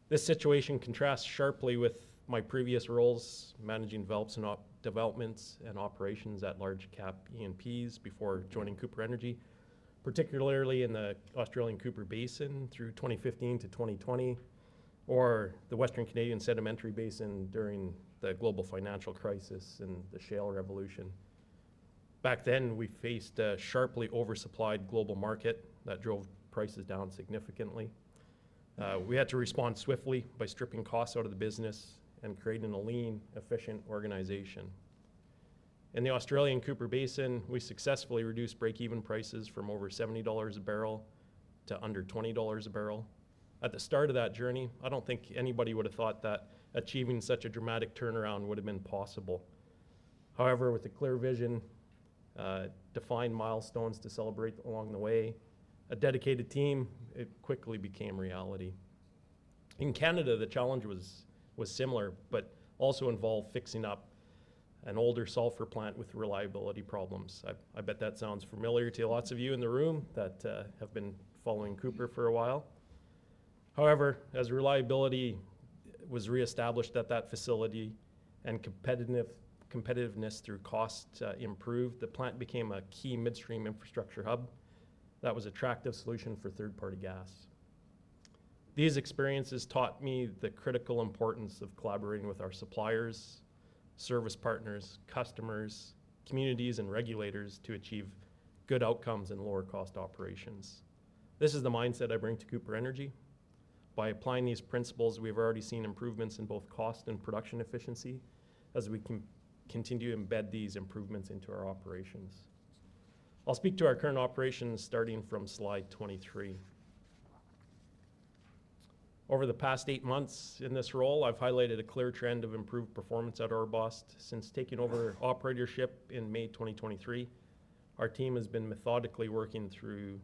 This situation contrasts sharply with my previous roles, managing developments and operations at large cap E&Ps before joining Cooper Energy, particularly in the Australian Cooper Basin through 2015 to 2020, or the Western Canadian Sedimentary Basin during the Global Financial Crisis and the shale revolution... Back then, we faced a sharply oversupplied global market that drove prices down significantly. We had to respond swiftly by stripping costs out of the business and creating a lean, efficient organization. In the Australian Cooper Basin, we successfully reduced break-even prices from over $70 a barrel to under $20 a barrel. At the start of that journey, I don't think anybody would have thought that achieving such a dramatic turnaround would have been possible. However, with a clear vision, defined milestones to celebrate along the way, a dedicated team, it quickly became reality. In Canada, the challenge was similar, but also involved fixing up an older sulfur plant with reliability problems. I bet that sounds familiar to lots of you in the room that have been following Cooper for a while. However, as reliability was reestablished at that facility and competitiveness through cost improved, the plant became a key midstream infrastructure hub that was attractive solution for third-party gas. These experiences taught me the critical importance of collaborating with our suppliers, service partners, customers, communities, and regulators to achieve good outcomes and lower cost operations. This is the mindset I bring to Cooper Energy. By applying these principles, we've already seen improvements in both cost and production efficiency as we continue to embed these improvements into our operations. I'll speak to our current operations starting from slide 23. Over the past 8 months in this role, I've highlighted a clear trend of improved performance at Orbost. Since taking over operatorship in May 2023, our team has been methodically working through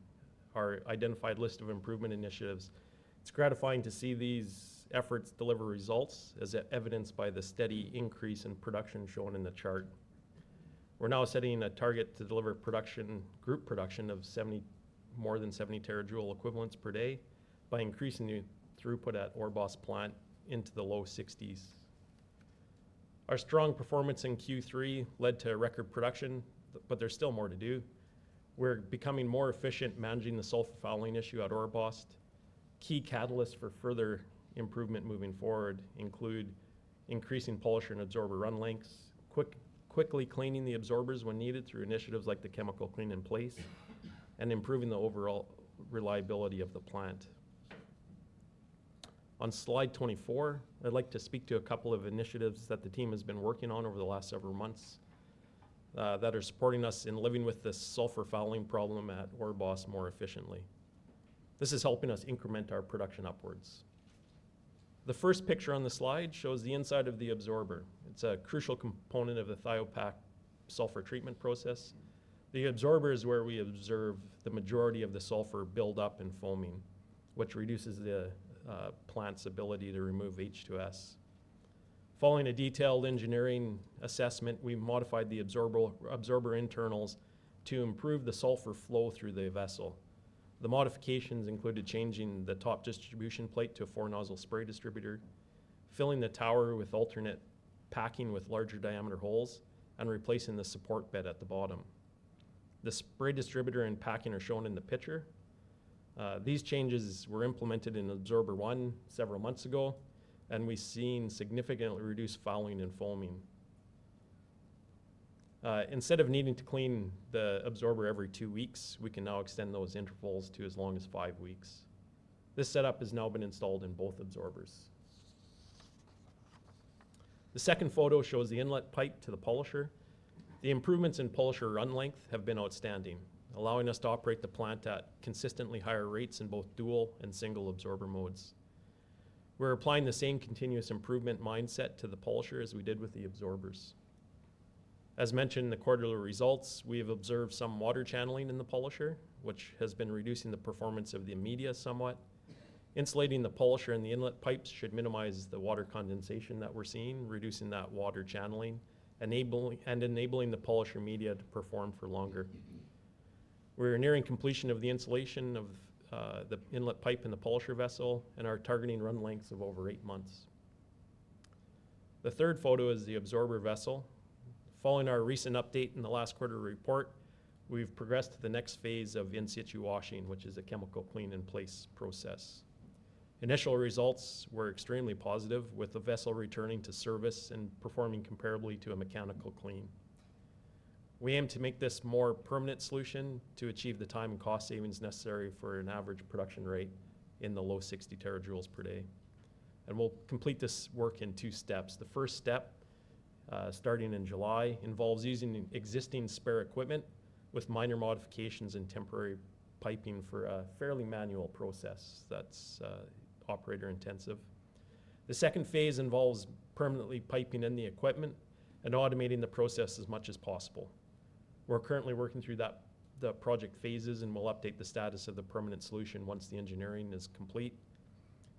our identified list of improvement initiatives. It's gratifying to see these efforts deliver results, as evidenced by the steady increase in production shown in the chart. We're now setting a target to deliver group production of more than 70 terajoule equivalents per day by increasing the throughput at Orbost plant into the low 60s. Our strong performance in Q3 led to a record production, but there's still more to do. We're becoming more efficient managing the sulfur fouling issue at Orbost. Key catalysts for further improvement moving forward include increasing polisher and absorber run lengths, quickly cleaning the absorbers when needed through initiatives like the chemical clean-in-place, and improving the overall reliability of the plant. On slide 24, I'd like to speak to a couple of initiatives that the team has been working on over the last several months that are supporting us in living with this sulfur fouling problem at Orbost more efficiently. This is helping us increment our production upwards. The first picture on the slide shows the inside of the absorber. It's a crucial component of the THIOPAQ sulfur treatment process. The absorber is where we observe the majority of the sulfur build up and foaming, which reduces the plant's ability to remove H2S. Following a detailed engineering assessment, we modified the absorber internals to improve the sulfur flow through the vessel. The modifications included changing the top distribution plate to a four-nozzle spray distributor, filling the tower with alternate packing with larger diameter holes, and replacing the support bed at the bottom. The spray distributor and packing are shown in the picture. These changes were implemented in absorber 1 several months ago, and we've seen significantly reduced fouling and foaming. Instead of needing to clean the absorber every 2 weeks, we can now extend those intervals to as long as 5 weeks. This setup has now been installed in both absorbers. The second photo shows the inlet pipe to the polisher. The improvements in polisher run length have been outstanding, allowing us to operate the plant at consistently higher rates in both dual and single absorber modes. We're applying the same continuous improvement mindset to the polisher as we did with the absorbers. As mentioned in the quarterly results, we have observed some water channeling in the polisher, which has been reducing the performance of the media somewhat. Insulating the polisher and the inlet pipes should minimize the water condensation that we're seeing, reducing that water channeling, enabling and enabling the polisher media to perform for longer. We're nearing completion of the insulation of the inlet pipe and the polisher vessel and are targeting run lengths of over eight months. The third photo is the absorber vessel. Following our recent update in the last quarter report, we've progressed to the next phase of in-situ washing, which is a chemical clean-in-place We aim to make this more permanent solution to achieve the time and cost savings necessary for an average production rate in the low 60 terajoules per day, and we'll complete this work in two steps. The first step, starting in July, involves using the existing spare equipment with minor modifications in temporary piping for a fairly manual process that's operator-intensive. The second phase involves permanently piping in the equipment and automating the process as much as possible. We're currently working through that, the project phases, and we'll update the status of the permanent solution once the engineering is complete.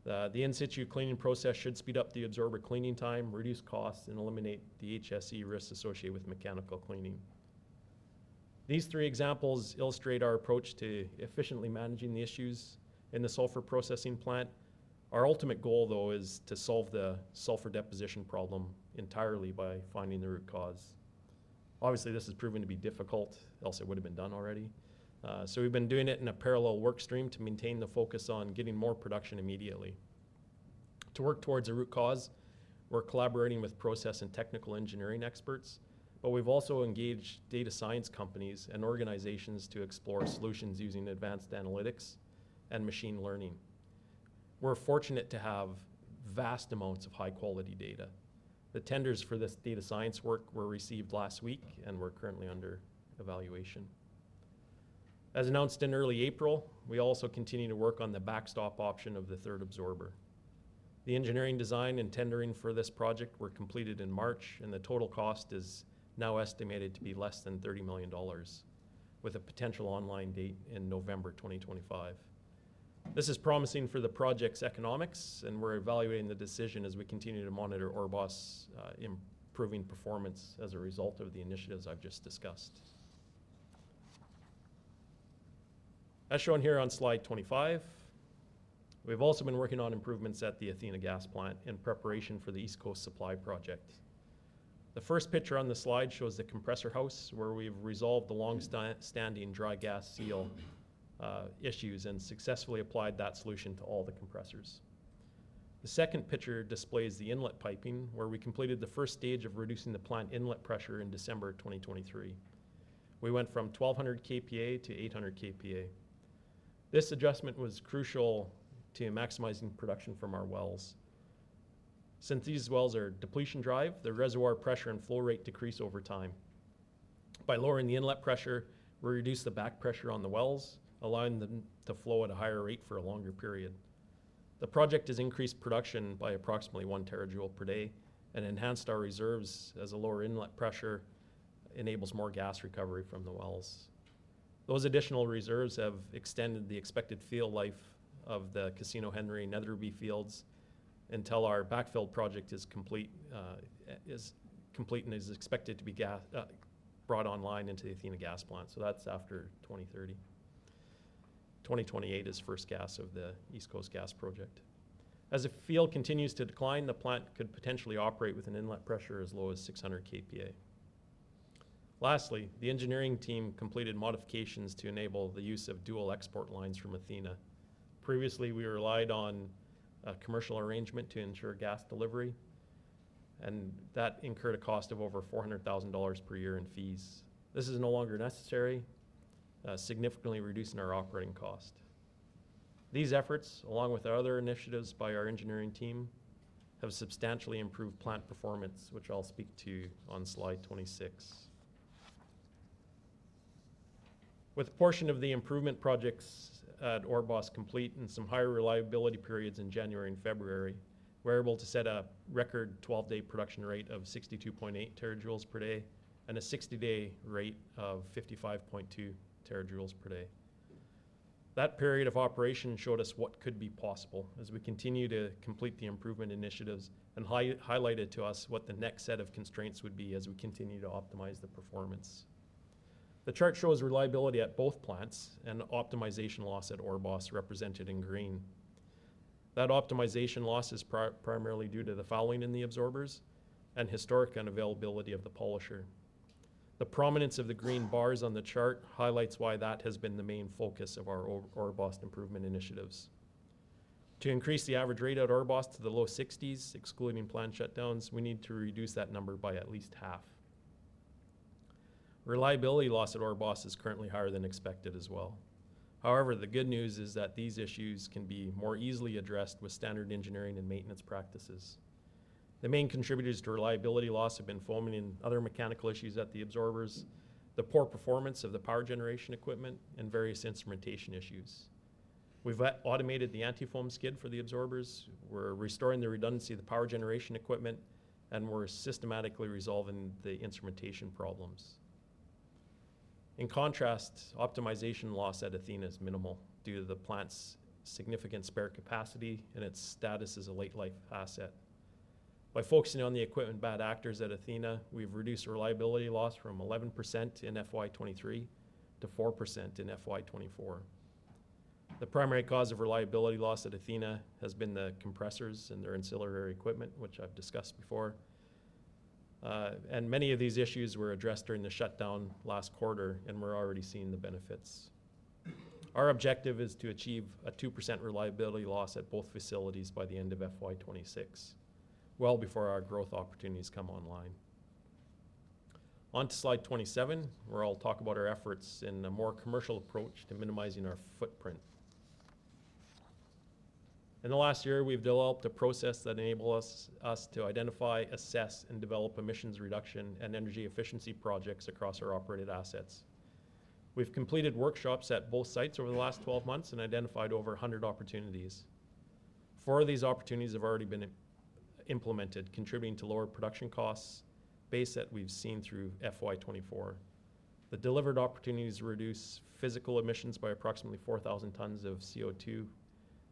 The in-situ cleaning process should speed up the absorber cleaning time, reduce costs, and eliminate the HSE risks associated with mechanical cleaning. These three examples illustrate our approach to efficiently managing the issues in the sulfur processing plant. Our ultimate goal, though, is to solve the sulfur deposition problem entirely by finding the root cause. Obviously, this has proven to be difficult, else it would have been done already. So we've been doing it in a parallel work stream to maintain the focus on getting more production immediately.... To work towards a root cause, we're collaborating with process and technical engineering experts, but we've also engaged data science companies and organizations to explore solutions using advanced analytics and machine learning. We're fortunate to have vast amounts of high-quality data. The tenders for this data science work were received last week, and we're currently under evaluation. As announced in early April, we also continue to work on the backstop option of the third absorber. The engineering design and tendering for this project were completed in March, and the total cost is now estimated to be less than 30,000,000 dollars, with a potential online date in November 2025. This is promising for the project's economics, and we're evaluating the decision as we continue to monitor Orbost improving performance as a result of the initiatives I've just discussed. As shown here on slide 25, we've also been working on improvements at the Athena Gas Plant in preparation for the East Coast Supply Project. The first picture on the slide shows the compressor house, where we've resolved the longstanding dry gas seal issues and successfully applied that solution to all the compressors. The second picture displays the inlet piping, where we completed the first stage of reducing the plant inlet pressure in December of 2023. We went from 1,200 kPa to 800 kPa. This adjustment was crucial to maximizing production from our wells. Since these wells are depletion drive, the reservoir pressure and flow rate decrease over time. By lowering the inlet pressure, we reduce the back pressure on the wells, allowing them to flow at a higher rate for a longer period. The project has increased production by approximately 1 terajoule per day and enhanced our reserves as a lower inlet pressure enables more gas recovery from the wells. Those additional reserves have extended the expected field life of the Casino Henry and Netherby fields until our backfill project is complete and is expected to be brought online into the Athena Gas Plant, so that's after 2030. 2028 is first gas of the East Coast Supply Project. As the field continues to decline, the plant could potentially operate with an inlet pressure as low as 600 kPa. Lastly, the engineering team completed modifications to enable the use of dual export lines from Athena. Previously, we relied on a commercial arrangement to ensure gas delivery, and that incurred a cost of over 400,000 dollars per year in fees. This is no longer necessary, significantly reducing our operating cost. These efforts, along with our other initiatives by our engineering team, have substantially improved plant performance, which I'll speak to on slide 26. With a portion of the improvement projects at Orbost complete and some higher reliability periods in January and February, we're able to set a record 12-day production rate of 62.8 terajoules per day and a 60-day rate of 55.2 terajoules per day. That period of operation showed us what could be possible as we continue to complete the improvement initiatives and highlighted to us what the next set of constraints would be as we continue to optimize the performance. The chart shows reliability at both plants and optimization loss at Orbost, represented in green. That optimization loss is primarily due to the fouling in the absorbers and historic unavailability of the polisher. The prominence of the green bars on the chart highlights why that has been the main focus of our Orbost improvement initiatives. To increase the average rate at Orbost to the low sixties, excluding plant shutdowns, we need to reduce that number by at least half. Reliability loss at Orbost is currently higher than expected as well. However, the good news is that these issues can be more easily addressed with standard engineering and maintenance practices. The main contributors to reliability loss have been foaming and other mechanical issues at the absorbers, the poor performance of the power generation equipment, and various instrumentation issues. We've automated the antifoam skid for the absorbers, we're restoring the redundancy of the power generation equipment, and we're systematically resolving the instrumentation problems. In contrast, optimization loss at Athena is minimal due to the plant's significant spare capacity and its status as a late-life asset. By focusing on the equipment bad actors at Athena, we've reduced the reliability loss from 11% in FY 2023 to 4% in FY 2024. The primary cause of reliability loss at Athena has been the compressors and their ancillary equipment, which I've discussed before. And many of these issues were addressed during the shutdown last quarter, and we're already seeing the benefits. Our objective is to achieve a 2% reliability loss at both facilities by the end of FY 2026, well before our growth opportunities come online. On to slide 27, where I'll talk about our efforts in a more commercial approach to minimizing our footprint. In the last year, we've developed a process that enable us to identify, assess, and develop emissions reduction and energy efficiency projects across our operated assets. We've completed workshops at both sites over the last 12 months and identified over 100 opportunities. Four of these opportunities have already been implemented, contributing to lower production costs base that we've seen through FY 2024. The delivered opportunities reduce physical emissions by approximately 4,000 tons of CO2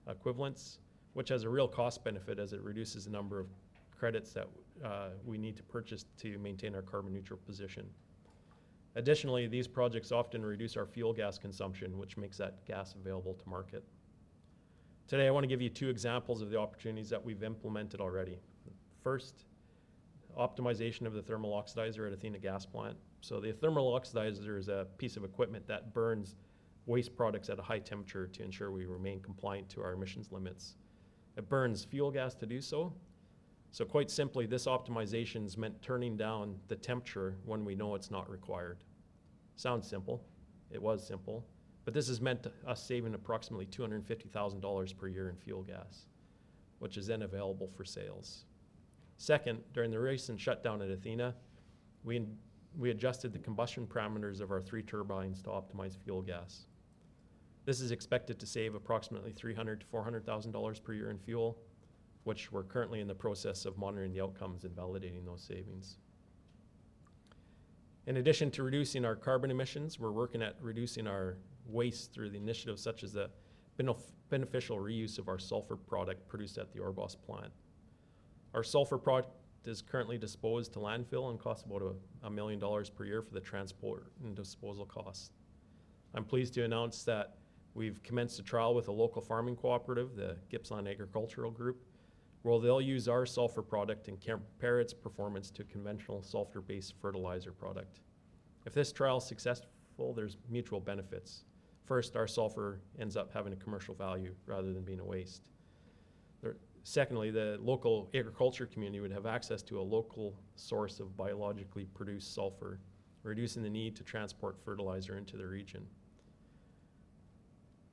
equivalents, which has a real cost benefit as it reduces the number of credits that we need to purchase to maintain our carbon-neutral position. Additionally, these projects often reduce our fuel gas consumption, which makes that gas available to market. Today, I want to give you two examples of the opportunities that we've implemented already. First, optimization of the thermal oxidizer at Athena Gas Plant. So the thermal oxidizer is a piece of equipment that burns waste products at a high temperature to ensure we remain compliant to our emissions limits. It burns fuel gas to do so. So quite simply, this optimization's meant turning down the temperature when we know it's not required. Sounds simple. It was simple, but this has meant us saving approximately 250,000 dollars per year in fuel gas, which is then available for sales. Second, during the recent shutdown at Athena, we adjusted the combustion parameters of our three turbines to optimize fuel gas. This is expected to save approximately 300,000-400,000 dollars per year in fuel, which we're currently in the process of monitoring the outcomes and validating those savings. In addition to reducing our carbon emissions, we're working at reducing our waste through the initiatives such as the beneficial reuse of our sulfur product produced at the Orbost plant. Our sulfur product is currently disposed to landfill and costs about a $1,000,000 per year for the transport and disposal costs. I'm pleased to announce that we've commenced a trial with a local farming cooperative, the Gippsland Agricultural Group, where they'll use our sulfur product and compare its performance to a conventional sulfur-based fertilizer product. If this trial is successful, there's mutual benefits. First, our sulfur ends up having a commercial value rather than being a waste. Secondly, the local agriculture community would have access to a local source of biologically produced sulfur, reducing the need to transport fertilizer into the region.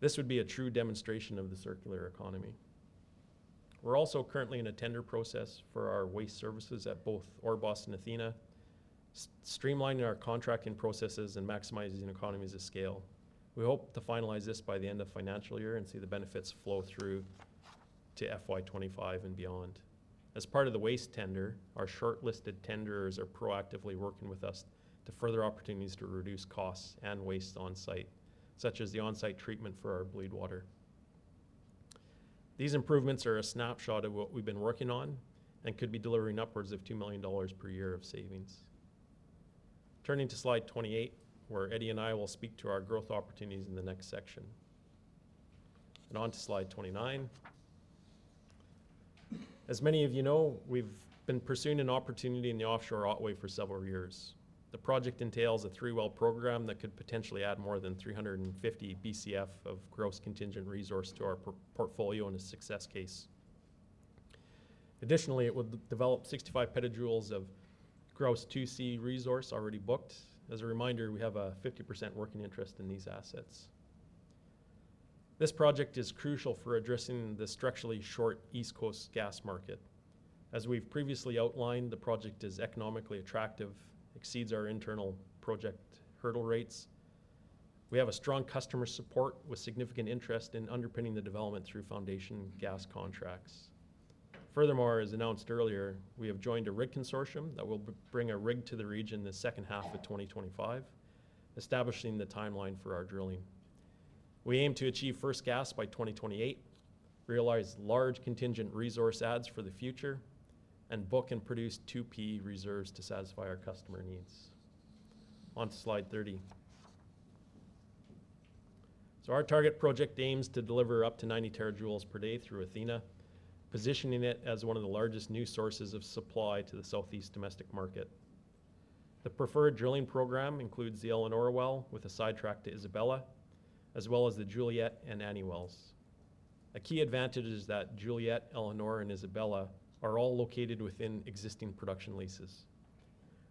This would be a true demonstration of the circular economy. We're also currently in a tender process for our waste services at both Orbost and Athena, streamlining our contracting processes and maximizing economies of scale. We hope to finalize this by the end of financial year and see the benefits flow through to FY 25 and beyond. As part of the waste tender, our shortlisted tenders are proactively working with us to further opportunities to reduce costs and waste on-site, such as the on-site treatment for our bleed water. These improvements are a snapshot of what we've been working on and could be delivering upwards of 2,000,000 dollars per year of savings. Turning to slide 28, where Eddy and I will speak to our growth opportunities in the next section. On to slide 29. As many of you know, we've been pursuing an opportunity in the offshore Otway for several years. The project entails a 3-well program that could potentially add more than 350 Bcf of gross contingent resource to our portfolio in a success case. Additionally, it would develop 65 petajoules of gross 2C resource already booked. As a reminder, we have a 50% working interest in these assets. This project is crucial for addressing the structurally short East Coast gas market. As we've previously outlined, the project is economically attractive, exceeds our internal project hurdle rates. We have a strong customer support with significant interest in underpinning the development through foundation gas contracts. Furthermore, as announced earlier, we have joined a rig consortium that will bring a rig to the region the second half of 2025, establishing the timeline for our drilling. We aim to achieve first gas by 2028, realize large contingent resource adds for the future, and book and produce 2P reserves to satisfy our customer needs. On to slide 30. So our target project aims to deliver up to 90 terajoules per day through Athena, positioning it as one of the largest new sources of supply to the Southeast domestic market. The preferred drilling program includes the Elanora well with a sidetrack to Isabella, as well as the Juliet and Annie wells. A key advantage is that Juliet, Elanora, and Isabella are all located within existing production leases.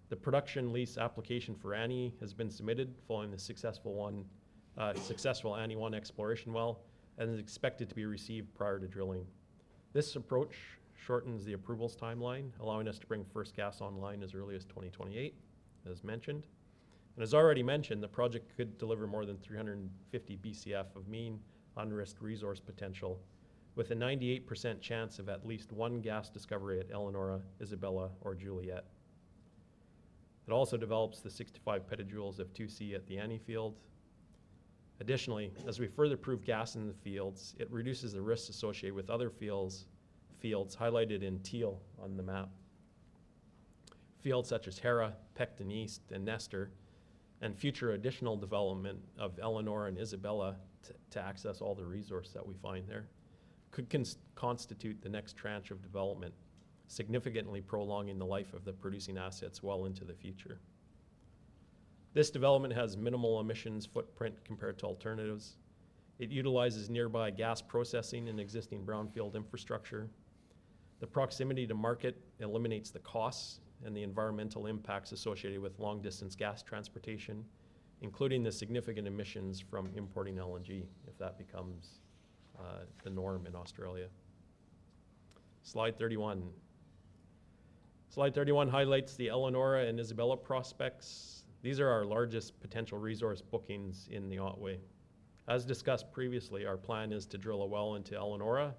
The production lease application for Annie has been submitted following the successful one, successful Annie-1 exploration well and is expected to be received prior to drilling. This approach shortens the approvals timeline, allowing us to bring first gas online as early as 2028, as mentioned. And as already mentioned, the project could deliver more than 350 Bcf of mean unrisked resource potential, with a 98% chance of at least one gas discovery at Elanora, Isabella, or Juliet. It also develops the 65 petajoules of 2C at the Annie field. Additionally, as we further prove gas in the fields, it reduces the risks associated with other fields, fields highlighted in teal on the map. Fields such as Hera, Pecten East, and Nestor, and future additional development of Elanora and Isabella to, to access all the resource that we find there, could constitute the next tranche of development, significantly prolonging the life of the producing assets well into the future. This development has minimal emissions footprint compared to alternatives. It utilizes nearby gas processing and existing brownfield infrastructure. The proximity to market eliminates the costs and the environmental impacts associated with long-distance gas transportation, including the significant emissions from importing LNG, if that becomes the norm in Australia. Slide 31. Slide 31 highlights the Elanora and Isabella prospects. These are our largest potential resource bookings in the Otway. As discussed previously, our plan is to drill a well into Elanora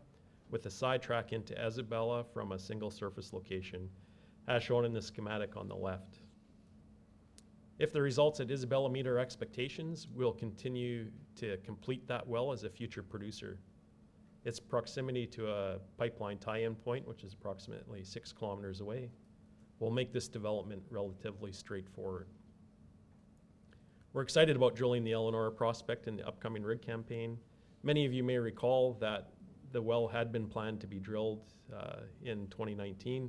with a sidetrack into Isabella from a single surface location, as shown in the schematic on the left. If the results at Isabella meet our expectations, we'll continue to complete that well as a future producer. Its proximity to a pipeline tie-in point, which is approximately six kilometers away, will make this development relatively straightforward. We're excited about drilling the Elanora prospect in the upcoming rig campaign. Many of you may recall that the well had been planned to be drilled in 2019,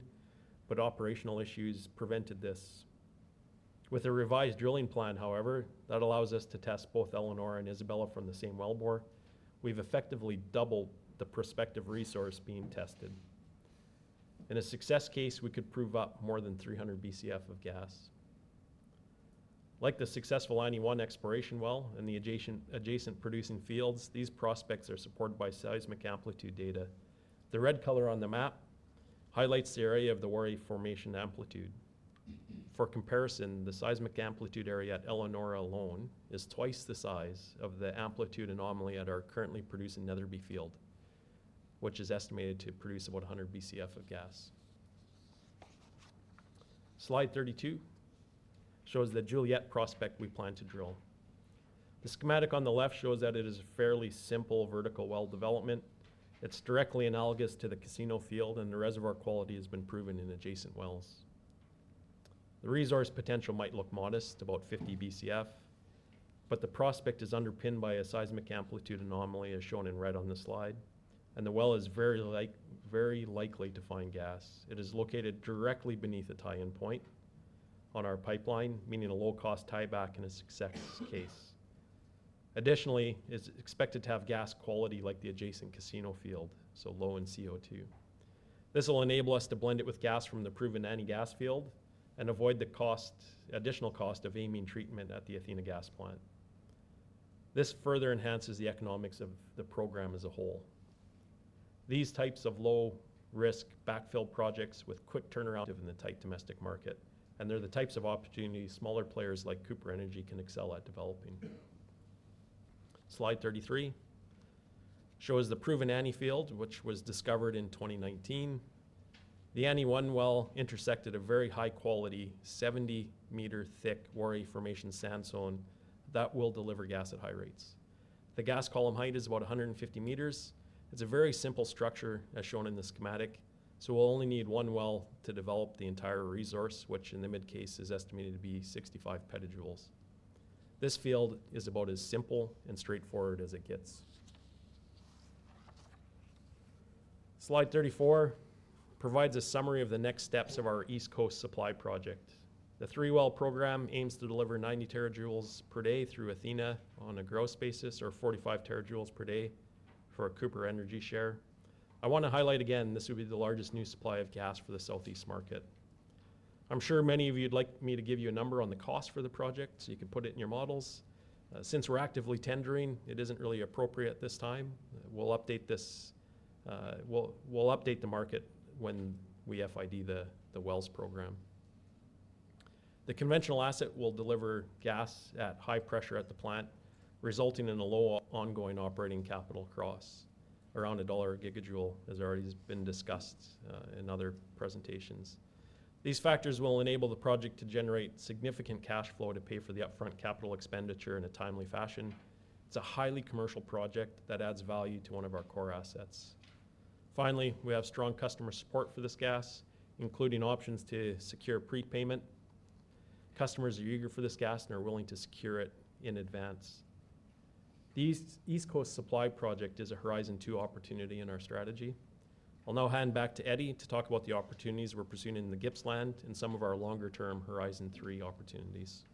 but operational issues prevented this. With a revised drilling plan, however, that allows us to test both Elanora and Isabella from the same wellbore, we've effectively doubled the prospective resource being tested. In a success case, we could prove up more than 300 BCF of gas. Like the successful Annie-1 exploration well and the adjacent producing fields, these prospects are supported by seismic amplitude data. The red color on the map highlights the area of the Waarre formation amplitude. For comparison, the seismic amplitude area at Elanora alone is twice the size of the amplitude anomaly at our currently producing Netherby field, which is estimated to produce about 100 BCF of gas. Slide 32 shows the Juliet prospect we plan to drill. The schematic on the left shows that it is a fairly simple vertical well development. It's directly analogous to the Casino field, and the reservoir quality has been proven in adjacent wells. The resource potential might look modest, about 50 BCF, but the prospect is underpinned by a seismic amplitude anomaly, as shown in red on this slide, and the well is very likely to find gas. It is located directly beneath a tie-in point on our pipeline, meaning a low-cost tieback in a success case. Additionally, it's expected to have gas quality like the adjacent Casino field, so low in CO2. This will enable us to blend it with gas from the proven Annie gas field and avoid the cost, additional cost of amine treatment at the Athena Gas Plant. This further enhances the economics of the program as a whole. These types of low-risk backfill projects with quick turnaround... In the tight domestic market, and they're the types of opportunities smaller players like Cooper Energy can excel at developing. Slide 33 shows the proven Annie field, which was discovered in 2019. The Annie-1 well intersected a very high-quality, 70-meter-thick Waarre formation sand zone that will deliver gas at high rates. The gas column height is about 150 meters. It's a very simple structure, as shown in the schematic, so we'll only need one well to develop the entire resource, which in the mid case is estimated to be 65 petajoules. This field is about as simple and straightforward as it gets. Slide 34 provides a summary of the next steps of our East Coast Supply Project. The three-well program aims to deliver 90 terajoules per day through Athena on a gross basis, or 45 terajoules per day for our Cooper Energy share. I want to highlight again, this will be the largest new supply of gas for the Southeast market. I'm sure many of you'd like me to give you a number on the cost for the project, so you can put it in your models. Since we're actively tendering, it isn't really appropriate at this time. We'll update this, we'll update the market when we FID the wells program. The conventional asset will deliver gas at high pressure at the plant, resulting in a low ongoing operating capital cost, around AUD 1 a gigajoule, as already has been discussed, in other presentations. These factors will enable the project to generate significant cash flow to pay for the upfront capital expenditure in a timely fashion. It's a highly commercial project that adds value to one of our core assets. Finally, we have strong customer support for this gas, including options to secure prepayment. Customers are eager for this gas and are willing to secure it in advance. The East, East Coast Supply Project is a Horizon Two opportunity in our strategy. I'll now hand back to Eddy to talk about the opportunities we're pursuing in the Gippsland and some of our longer-term Horizon Three opportunities.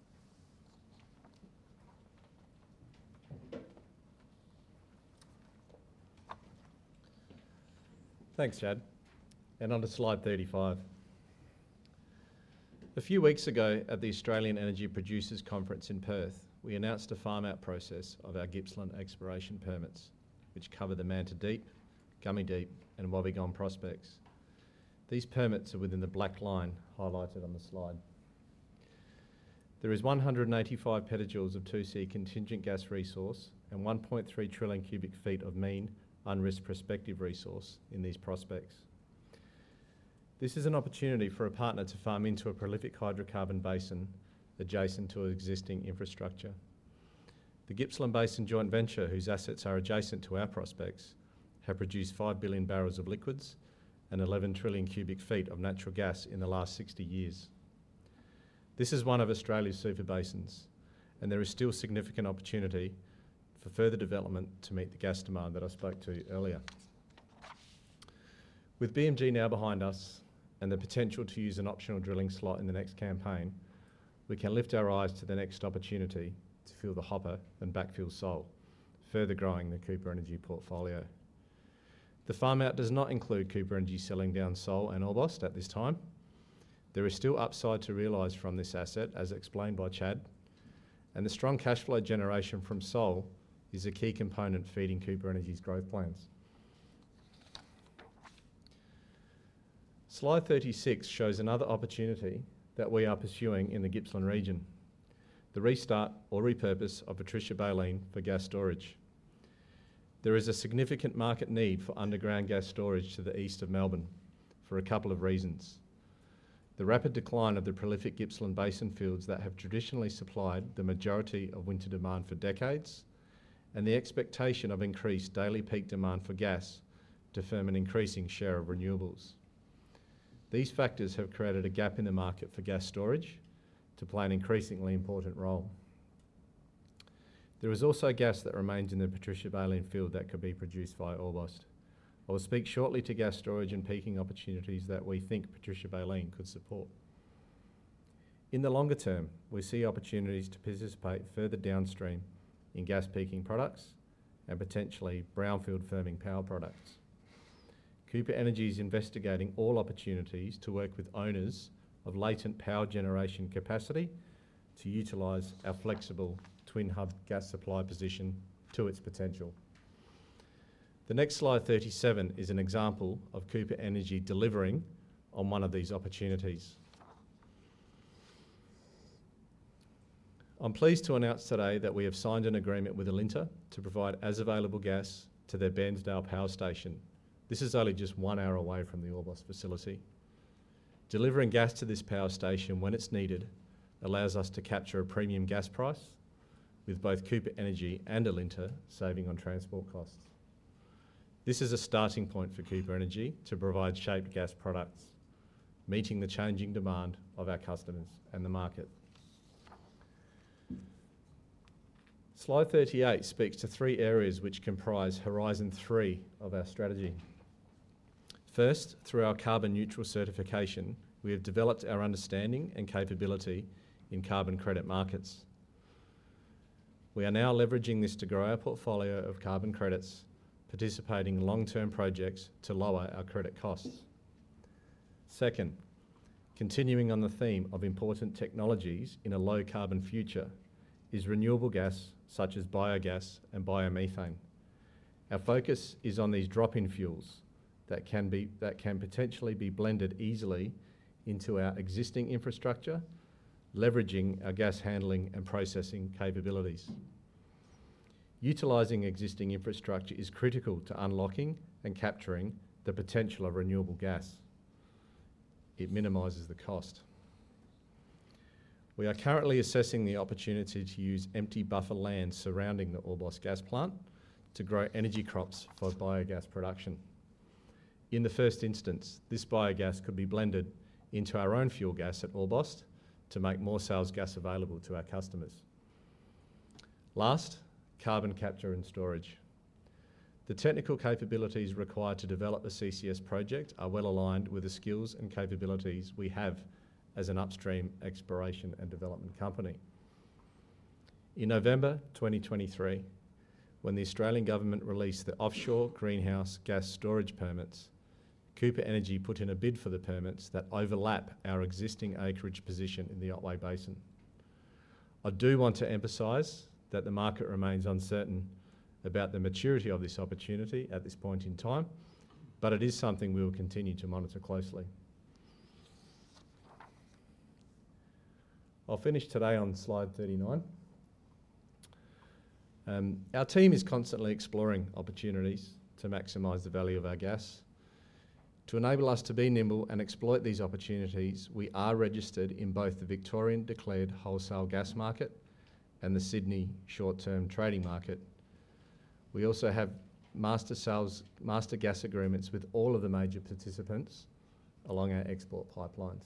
Thanks, Chad, and on to slide 35. A few weeks ago, at the Australian Energy Producers Conference in Perth, we announced a farm-out process of our Gippsland exploration permits, which cover the Manta Deep, Gummy Deep, and Wobbegong prospects. These permits are within the black line highlighted on the slide. There is 185 petajoules of 2C contingent gas resource and 1,300,000,000,000 cu ft of mean unrisked prospective resource in these prospects. This is an opportunity for a partner to farm into a prolific hydrocarbon basin adjacent to existing infrastructure. The Gippsland Basin Joint Venture, whose assets are adjacent to our prospects, have produced 5,000,000,000 bbl of liquids and 11,000,000,000,000 cu ft of natural gas in the last 60 years. This is one of Australia's super basins, and there is still significant opportunity for further development to meet the gas demand that I spoke to earlier. With BMG now behind us and the potential to use an optional drilling slot in the next campaign, we can lift our eyes to the next opportunity to fill the hopper and backfill Sole, further growing the Cooper Energy portfolio. The farm-out does not include Cooper Energy selling down Sole and Orbost at this time. There is still upside to realize from this asset, as explained by Chad, and the strong cash flow generation from Sole is a key component feeding Cooper Energy's growth plans. Slide 36 shows another opportunity that we are pursuing in the Gippsland region, the restart or repurpose of the Patricia Baleen for gas storage. There is a significant market need for underground gas storage to the east of Melbourne for a couple of reasons: the rapid decline of the prolific Gippsland Basin fields that have traditionally supplied the majority of winter demand for decades, and the expectation of increased daily peak demand for gas to firm an increasing share of renewables.... These factors have created a gap in the market for gas storage to play an increasingly important role. There is also gas that remains in the Patricia Baleen field that could be produced via Orbost. I will speak shortly to gas storage and peaking opportunities that we think Patricia Baleen could support. In the longer term, we see opportunities to participate further downstream in gas peaking products and potentially brownfield firming power products. Cooper Energy is investigating all opportunities to work with owners of latent power generation capacity to utilize our flexible twin hub gas supply position to its potential. The next slide, 37, is an example of Cooper Energy delivering on one of these opportunities. I'm pleased to announce today that we have signed an agreement with Alinta to provide as available gas to their Bairnsdale Power Station. This is only just one hour away from the Orbost facility. Delivering gas to this power station when it's needed allows us to capture a premium gas price, with both Cooper Energy and Alinta saving on transport costs. This is a starting point for Cooper Energy to provide shaped gas products, meeting the changing demand of our customers and the market. Slide 38 speaks to three areas which comprise Horizon Three of our strategy. First, through our carbon neutral certification, we have developed our understanding and capability in carbon credit markets. We are now leveraging this to grow our portfolio of carbon credits, participating in long-term projects to lower our credit costs. Second, continuing on the theme of important technologies in a low carbon future is renewable gas, such as biogas and biomethane. Our focus is on these drop-in fuels that can potentially be blended easily into our existing infrastructure, leveraging our gas handling and processing capabilities. Utilizing existing infrastructure is critical to unlocking and capturing the potential of renewable gas. It minimizes the cost. We are currently assessing the opportunity to use empty buffer land surrounding the Orbost Gas Plant to grow energy crops for biogas production. In the first instance, this biogas could be blended into our own fuel gas at Orbost to make more sales gas available to our customers. Last, carbon capture and storage. The technical capabilities required to develop a CCS project are well aligned with the skills and capabilities we have as an upstream exploration and development company. In November 2023, when the Australian government released the offshore greenhouse gas storage permits, Cooper Energy put in a bid for the permits that overlap our existing acreage position in the Otway Basin. I do want to emphasize that the market remains uncertain about the maturity of this opportunity at this point in time, but it is something we will continue to monitor closely. I'll finish today on slide 39. Our team is constantly exploring opportunities to maximize the value of our gas. To enable us to be nimble and exploit these opportunities, we are registered in both the Victorian Declared Wholesale Gas Market and the Sydney Short-Term Trading Market. We also have master sales, master gas agreements with all of the major participants along our export pipelines.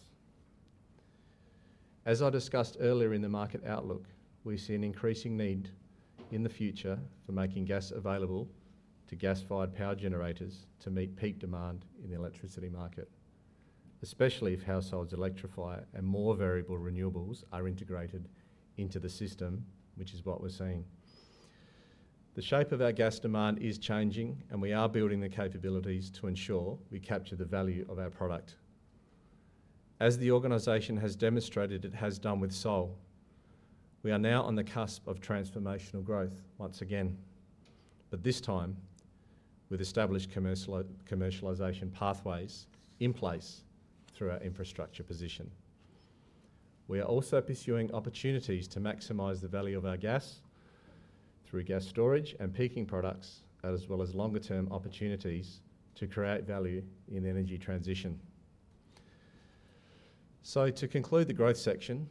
As I discussed earlier in the market outlook, we see an increasing need in the future for making gas available to gas-fired power generators to meet peak demand in the electricity market, especially if households electrify and more variable renewables are integrated into the system, which is what we're seeing. The shape of our gas demand is changing, and we are building the capabilities to ensure we capture the value of our product. As the organization has demonstrated it has done with Sole, we are now on the cusp of transformational growth once again, but this time with established commercialization pathways in place through our infrastructure position. We are also pursuing opportunities to maximize the value of our gas through gas storage and peaking products, as well as longer-term opportunities to create value in energy transition. So to conclude the growth section,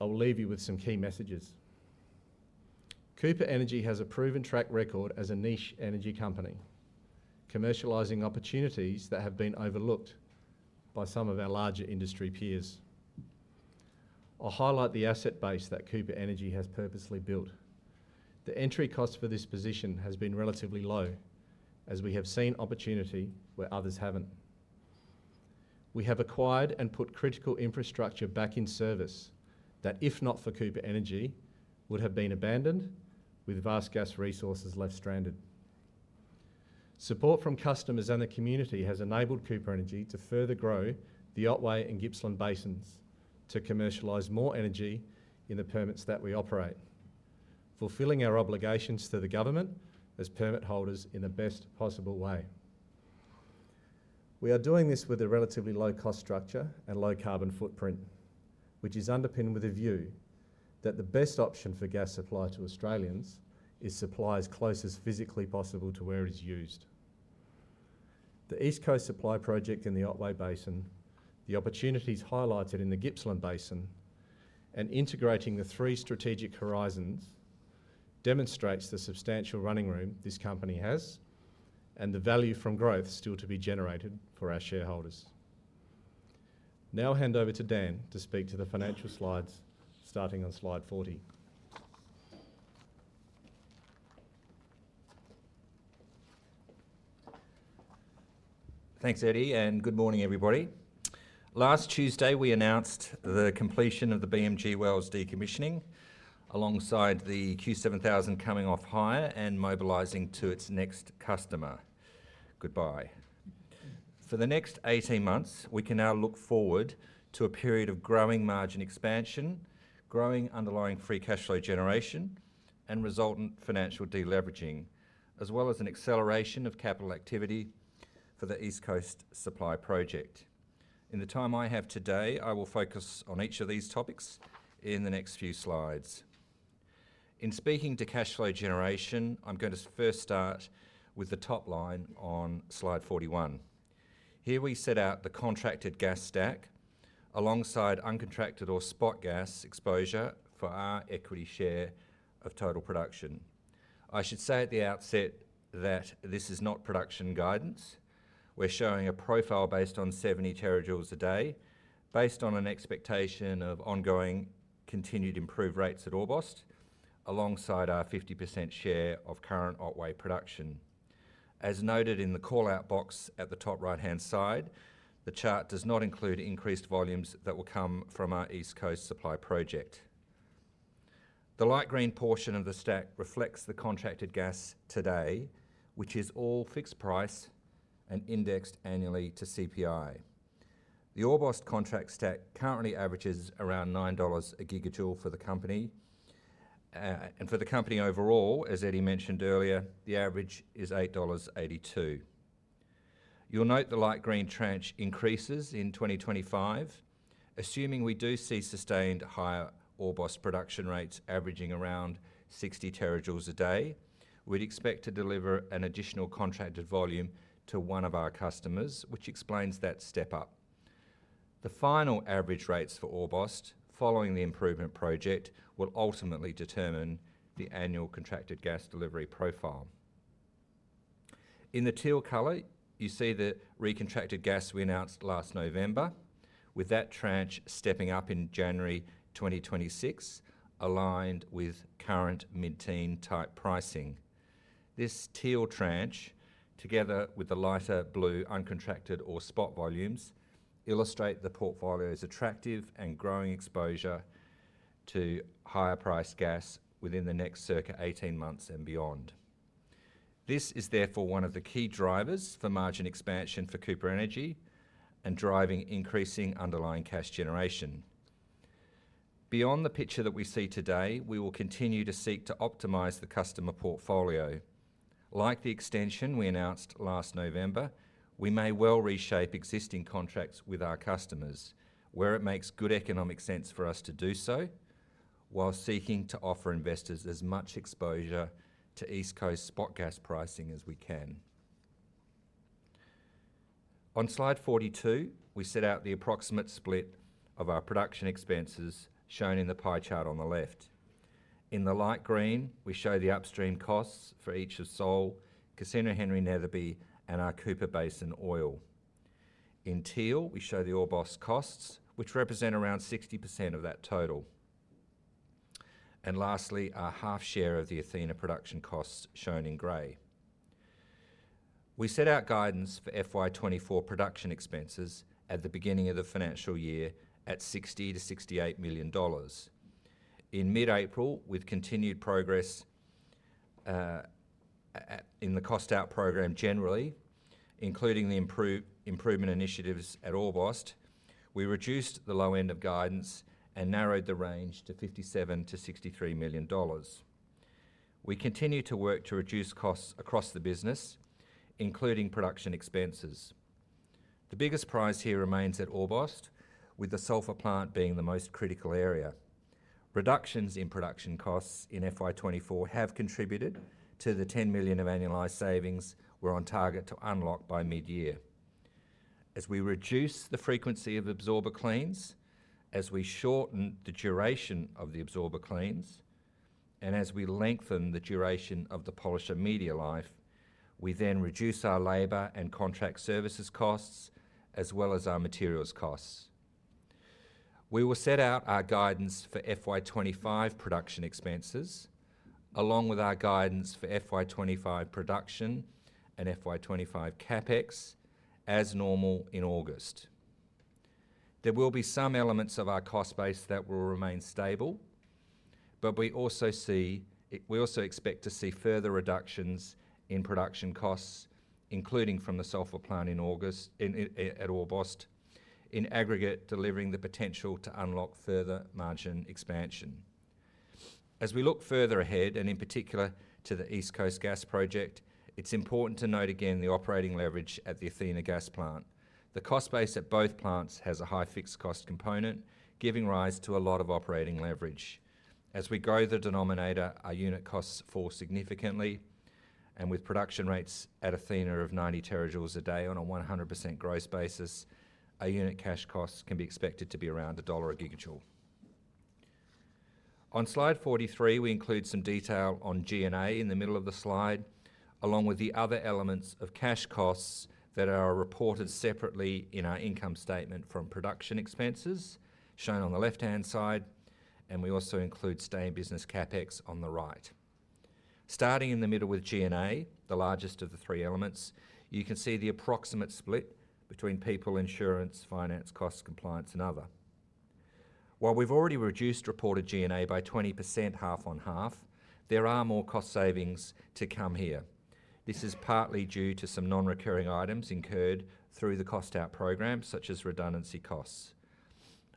I will leave you with some key messages. Cooper Energy has a proven track record as a niche energy company, commercializing opportunities that have been overlooked by some of our larger industry peers. I'll highlight the asset base that Cooper Energy has purposely built. The entry cost for this position has been relatively low, as we have seen opportunity where others haven't. We have acquired and put critical infrastructure back in service that, if not for Cooper Energy, would have been abandoned, with vast gas resources left stranded. Support from customers and the community has enabled Cooper Energy to further grow the Otway and Gippsland Basins to commercialize more energy in the permits that we operate, fulfilling our obligations to the government as permit holders in the best possible way. We are doing this with a relatively low cost structure and low carbon footprint, which is underpinned with a view that the best option for gas supply to Australians is supply as close as physically possible to where it is used. The East Coast Supply Project in the Otway Basin, the opportunities highlighted in the Gippsland Basin, and integrating the three strategic horizons-... demonstrates the substantial running room this company has, and the value from growth still to be generated for our shareholders. Now I'll hand over to Dan to speak to the financial slides, starting on slide 40. Thanks, Eddy, and good morning, everybody. Last Tuesday, we announced the completion of the BMG wells decommissioning, alongside the Q7000 coming off hire and mobilizing to its next customer. Goodbye. For the next 18 months, we can now look forward to a period of growing margin expansion, growing underlying free cash flow generation, and resultant financial de-leveraging, as well as an acceleration of capital activity for the East Coast Supply Project. In the time I have today, I will focus on each of these topics in the next few slides. In speaking to cash flow generation, I'm going to first start with the top line on slide 41. Here we set out the contracted gas stack alongside uncontracted or spot gas exposure for our equity share of total production. I should say at the outset that this is not production guidance. We're showing a profile based on 70 terajoules a day, based on an expectation of ongoing, continued improved rates at Orbost, alongside our 50 percent share of current Otway production. As noted in the call-out box at the top right-hand side, the chart does not include increased volumes that will come from our East Coast Supply Project. The light green portion of the stack reflects the contracted gas today, which is all fixed price and indexed annually to CPI. The Orbost contract stack currently averages around 9 dollars a gigajoule for the company. And for the company overall, as Eddy mentioned earlier, the average is 8.82 dollars. You'll note the light green tranche increases in 2025. Assuming we do see sustained higher Orbost production rates averaging around 60 terajoules a day, we'd expect to deliver an additional contracted volume to one of our customers, which explains that step up. The final average rates for Orbost, following the improvement project, will ultimately determine the annual contracted gas delivery profile. In the teal color, you see the recontracted gas we announced last November, with that tranche stepping up in January 2026, aligned with current mid-teen type pricing. This teal tranche, together with the lighter blue uncontracted or spot volumes, illustrate the portfolio's attractive and growing exposure to higher priced gas within the next circa 18 months and beyond. This is therefore one of the key drivers for margin expansion for Cooper Energy and driving increasing underlying cash generation. Beyond the picture that we see today, we will continue to seek to optimize the customer portfolio. Like the extension we announced last November, we may well reshape existing contracts with our customers where it makes good economic sense for us to do so, while seeking to offer investors as much exposure to East Coast spot gas pricing as we can. On slide 42, we set out the approximate split of our production expenses, shown in the pie chart on the left. In the light green, we show the upstream costs for each of Sole, Casino Henry Netherby, and our Cooper Basin Oil. In teal, we show the Orbost costs, which represent around 60% of that total. And lastly, our half share of the Athena production costs, shown in gray. We set out guidance for FY 2024 production expenses at the beginning of the financial year at 60,000,000-68,000,000 dollars. In mid-April, with continued progress in the cost out program generally, including the improvement initiatives at Orbost, we reduced the low end of guidance and narrowed the range to 57,000,000-63,000,000 dollars. We continue to work to reduce costs across the business, including production expenses. The biggest prize here remains at Orbost, with the sulfur plant being the most critical area. Reductions in production costs in FY 2024 have contributed to the 10,000,000 of annualized savings we're on target to unlock by mid-year. As we reduce the frequency of absorber cleans, as we shorten the duration of the absorber cleans, and as we lengthen the duration of the polisher media life, we then reduce our labor and contract services costs, as well as our materials costs. We will set out our guidance for FY 25 production expenses, along with our guidance for FY 25 production and FY 25 CapEx as normal in August. There will be some elements of our cost base that will remain stable, but we also expect to see further reductions in production costs, including from the sulfur plant in August at Orbost, in aggregate, delivering the potential to unlock further margin expansion. As we look further ahead, and in particular to the East Coast Supply Project, it's important to note again the operating leverage at the Athena Gas Plant. The cost base at both plants has a high fixed cost component, giving rise to a lot of operating leverage. As we grow the denominator, our unit costs fall significantly.... With production rates at Athena of 90 terajoules a day on a 100% gross basis, our unit cash costs can be expected to be around AUD 1 a gigajoule. On slide 43, we include some detail on G&A in the middle of the slide, along with the other elements of cash costs that are reported separately in our income statement from production expenses, shown on the left-hand side, and we also include stay in business CapEx on the right. Starting in the middle with G&A, the largest of the three elements, you can see the approximate split between people, insurance, finance costs, compliance and other. While we've already reduced reported G&A by 20% half on half, there are more cost savings to come here. This is partly due to some non-recurring items incurred through the cost out program, such as redundancy costs.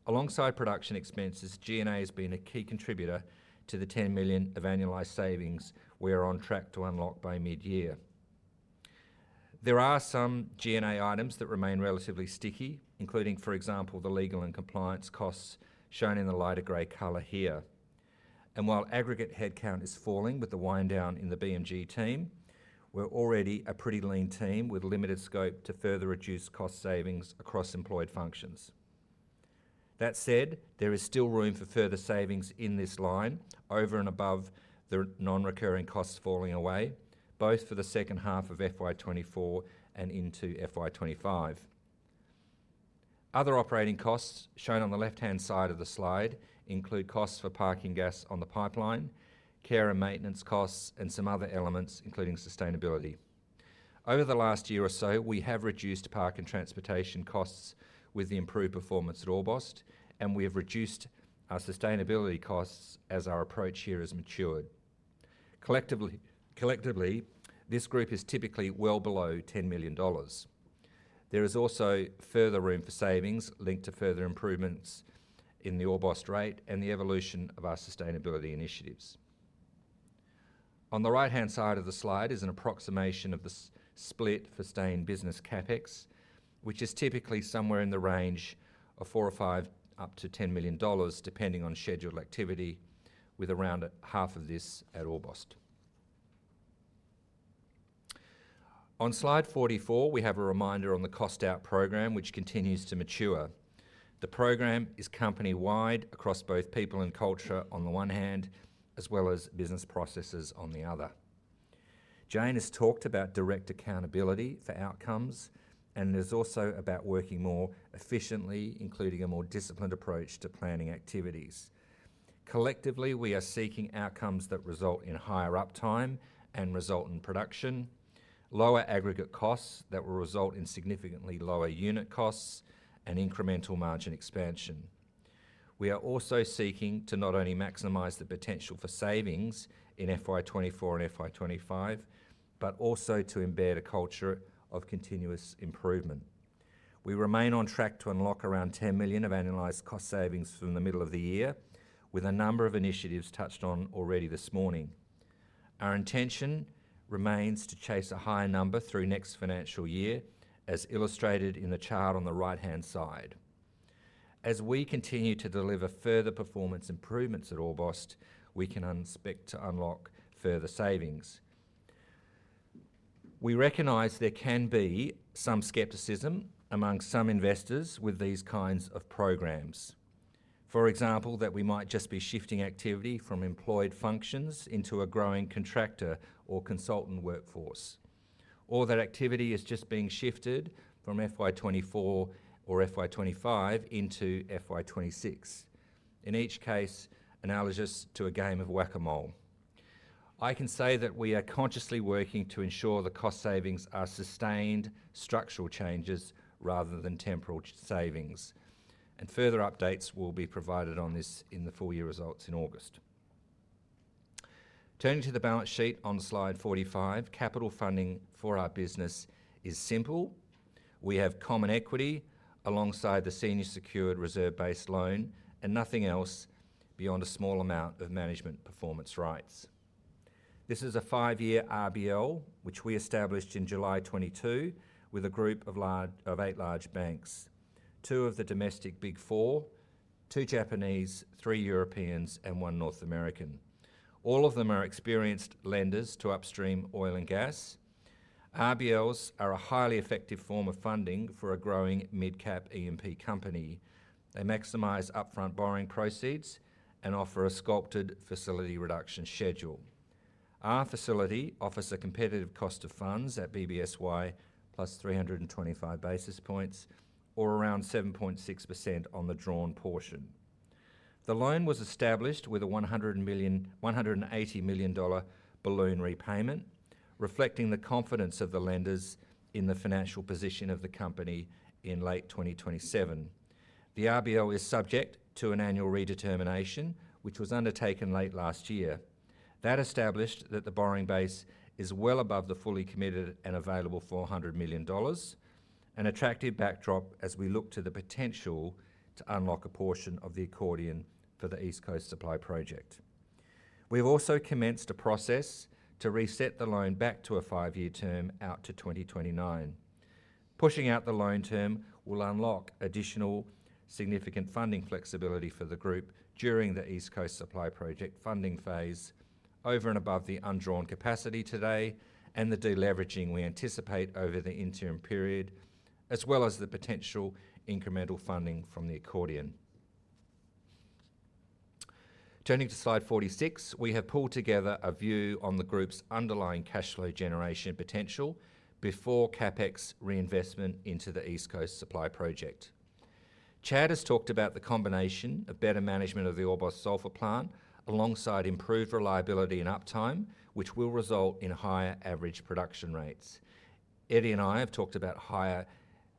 Alongside production expenses, G&A has been a key contributor to the $10,000,000 of annualized savings we are on track to unlock by mid-year. There are some G&A items that remain relatively sticky, including, for example, the legal and compliance costs shown in the lighter gray color here. And while aggregate headcount is falling with the wind down in the BMG team, we're already a pretty lean team with limited scope to further reduce cost savings across employed functions. That said, there is still room for further savings in this line over and above the non-recurring costs falling away, both for the second half of FY 2024 and into FY 2025. Other operating costs shown on the left-hand side of the slide include costs for parking gas on the pipeline, care and maintenance costs, and some other elements, including sustainability. Over the last year or so, we have reduced OpEx and transportation costs with the improved performance at Orbost, and we have reduced our sustainability costs as our approach here has matured. Collectively, collectively, this group is typically well below 10,000,000 dollars. There is also further room for savings linked to further improvements in the Orbost rate and the evolution of our sustainability initiatives. On the right-hand side of the slide is an approximation of the split for stay in business CapEx, which is typically somewhere in the range of 4 or 5, up to 10,000,000 dollars, depending on scheduled activity, with around half of this at Orbost. On slide 44, we have a reminder on the cost out program, which continues to mature. The program is company-wide across both people and culture on the one hand, as well as business processes on the other. Jane has talked about direct accountability for outcomes, and it is also about working more efficiently, including a more disciplined approach to planning activities. Collectively, we are seeking outcomes that result in higher uptime and result in production, lower aggregate costs that will result in significantly lower unit costs and incremental margin expansion. We are also seeking to not only maximize the potential for savings in FY 2024 and FY 2025, but also to embed a culture of continuous improvement. We remain on track to unlock around 10 ,000,000 of annualized cost savings from the middle of the year, with a number of initiatives touched on already this morning. Our intention remains to chase a higher number through next financial year, as illustrated in the chart on the right-hand side. As we continue to deliver further performance improvements at Orbost, we can expect to unlock further savings. We recognize there can be some skepticism among some investors with these kinds of programs. For example, that we might just be shifting activity from employed functions into a growing contractor or consultant workforce, or that activity is just being shifted from FY 2024 or FY 2025 into FY 2026. In each case, analogous to a game of Whac-A-Mole. I can say that we are consciously working to ensure the cost savings are sustained structural changes rather than temporal savings, and further updates will be provided on this in the full year results in August. Turning to the balance sheet on slide 45, capital funding for our business is simple. We have common equity alongside the senior secured reserve-based loan and nothing else beyond a small amount of management performance rights. This is a 5-year RBL, which we established in July 2022 with a group of large, of 8 large banks. 2 of the domestic Big Four, 2 Japanese, 3 Europeans and 1 North American. All of them are experienced lenders to upstream oil and gas. RBLs are a highly effective form of funding for a growing midcap E&P company. They maximize upfront borrowing proceeds and offer a sculpted facility reduction schedule. Our facility offers a competitive cost of funds at BBSY plus 325 basis points or around 7.6% on the drawn portion. The loan was established with a $100,000,000-$180,000,000 dollar balloon repayment, reflecting the confidence of the lenders in the financial position of the company in late 2027. The RBL is subject to an annual redetermination, which was undertaken late last year. That established that the borrowing base is well above the fully committed and available 400,000,000 dollars, an attractive backdrop as we look to the potential to unlock a portion of the accordion for the East Coast Supply Project. We've also commenced a process to reset the loan back to a 5-year term out to 2029. Pushing out the loan term will unlock additional significant funding flexibility for the group during the East Coast Supply Project funding phase, over and above the undrawn capacity today and the de-leveraging we anticipate over the interim period, as well as the potential incremental funding from the accordion. Turning to slide 46, we have pulled together a view on the group's underlying cash flow generation potential before CapEx reinvestment into the East Coast Supply Project. Chad has talked about the combination of better management of the Orbost Sulfur Plant, alongside improved reliability and uptime, which will result in higher average production rates. Eddy and I have talked about higher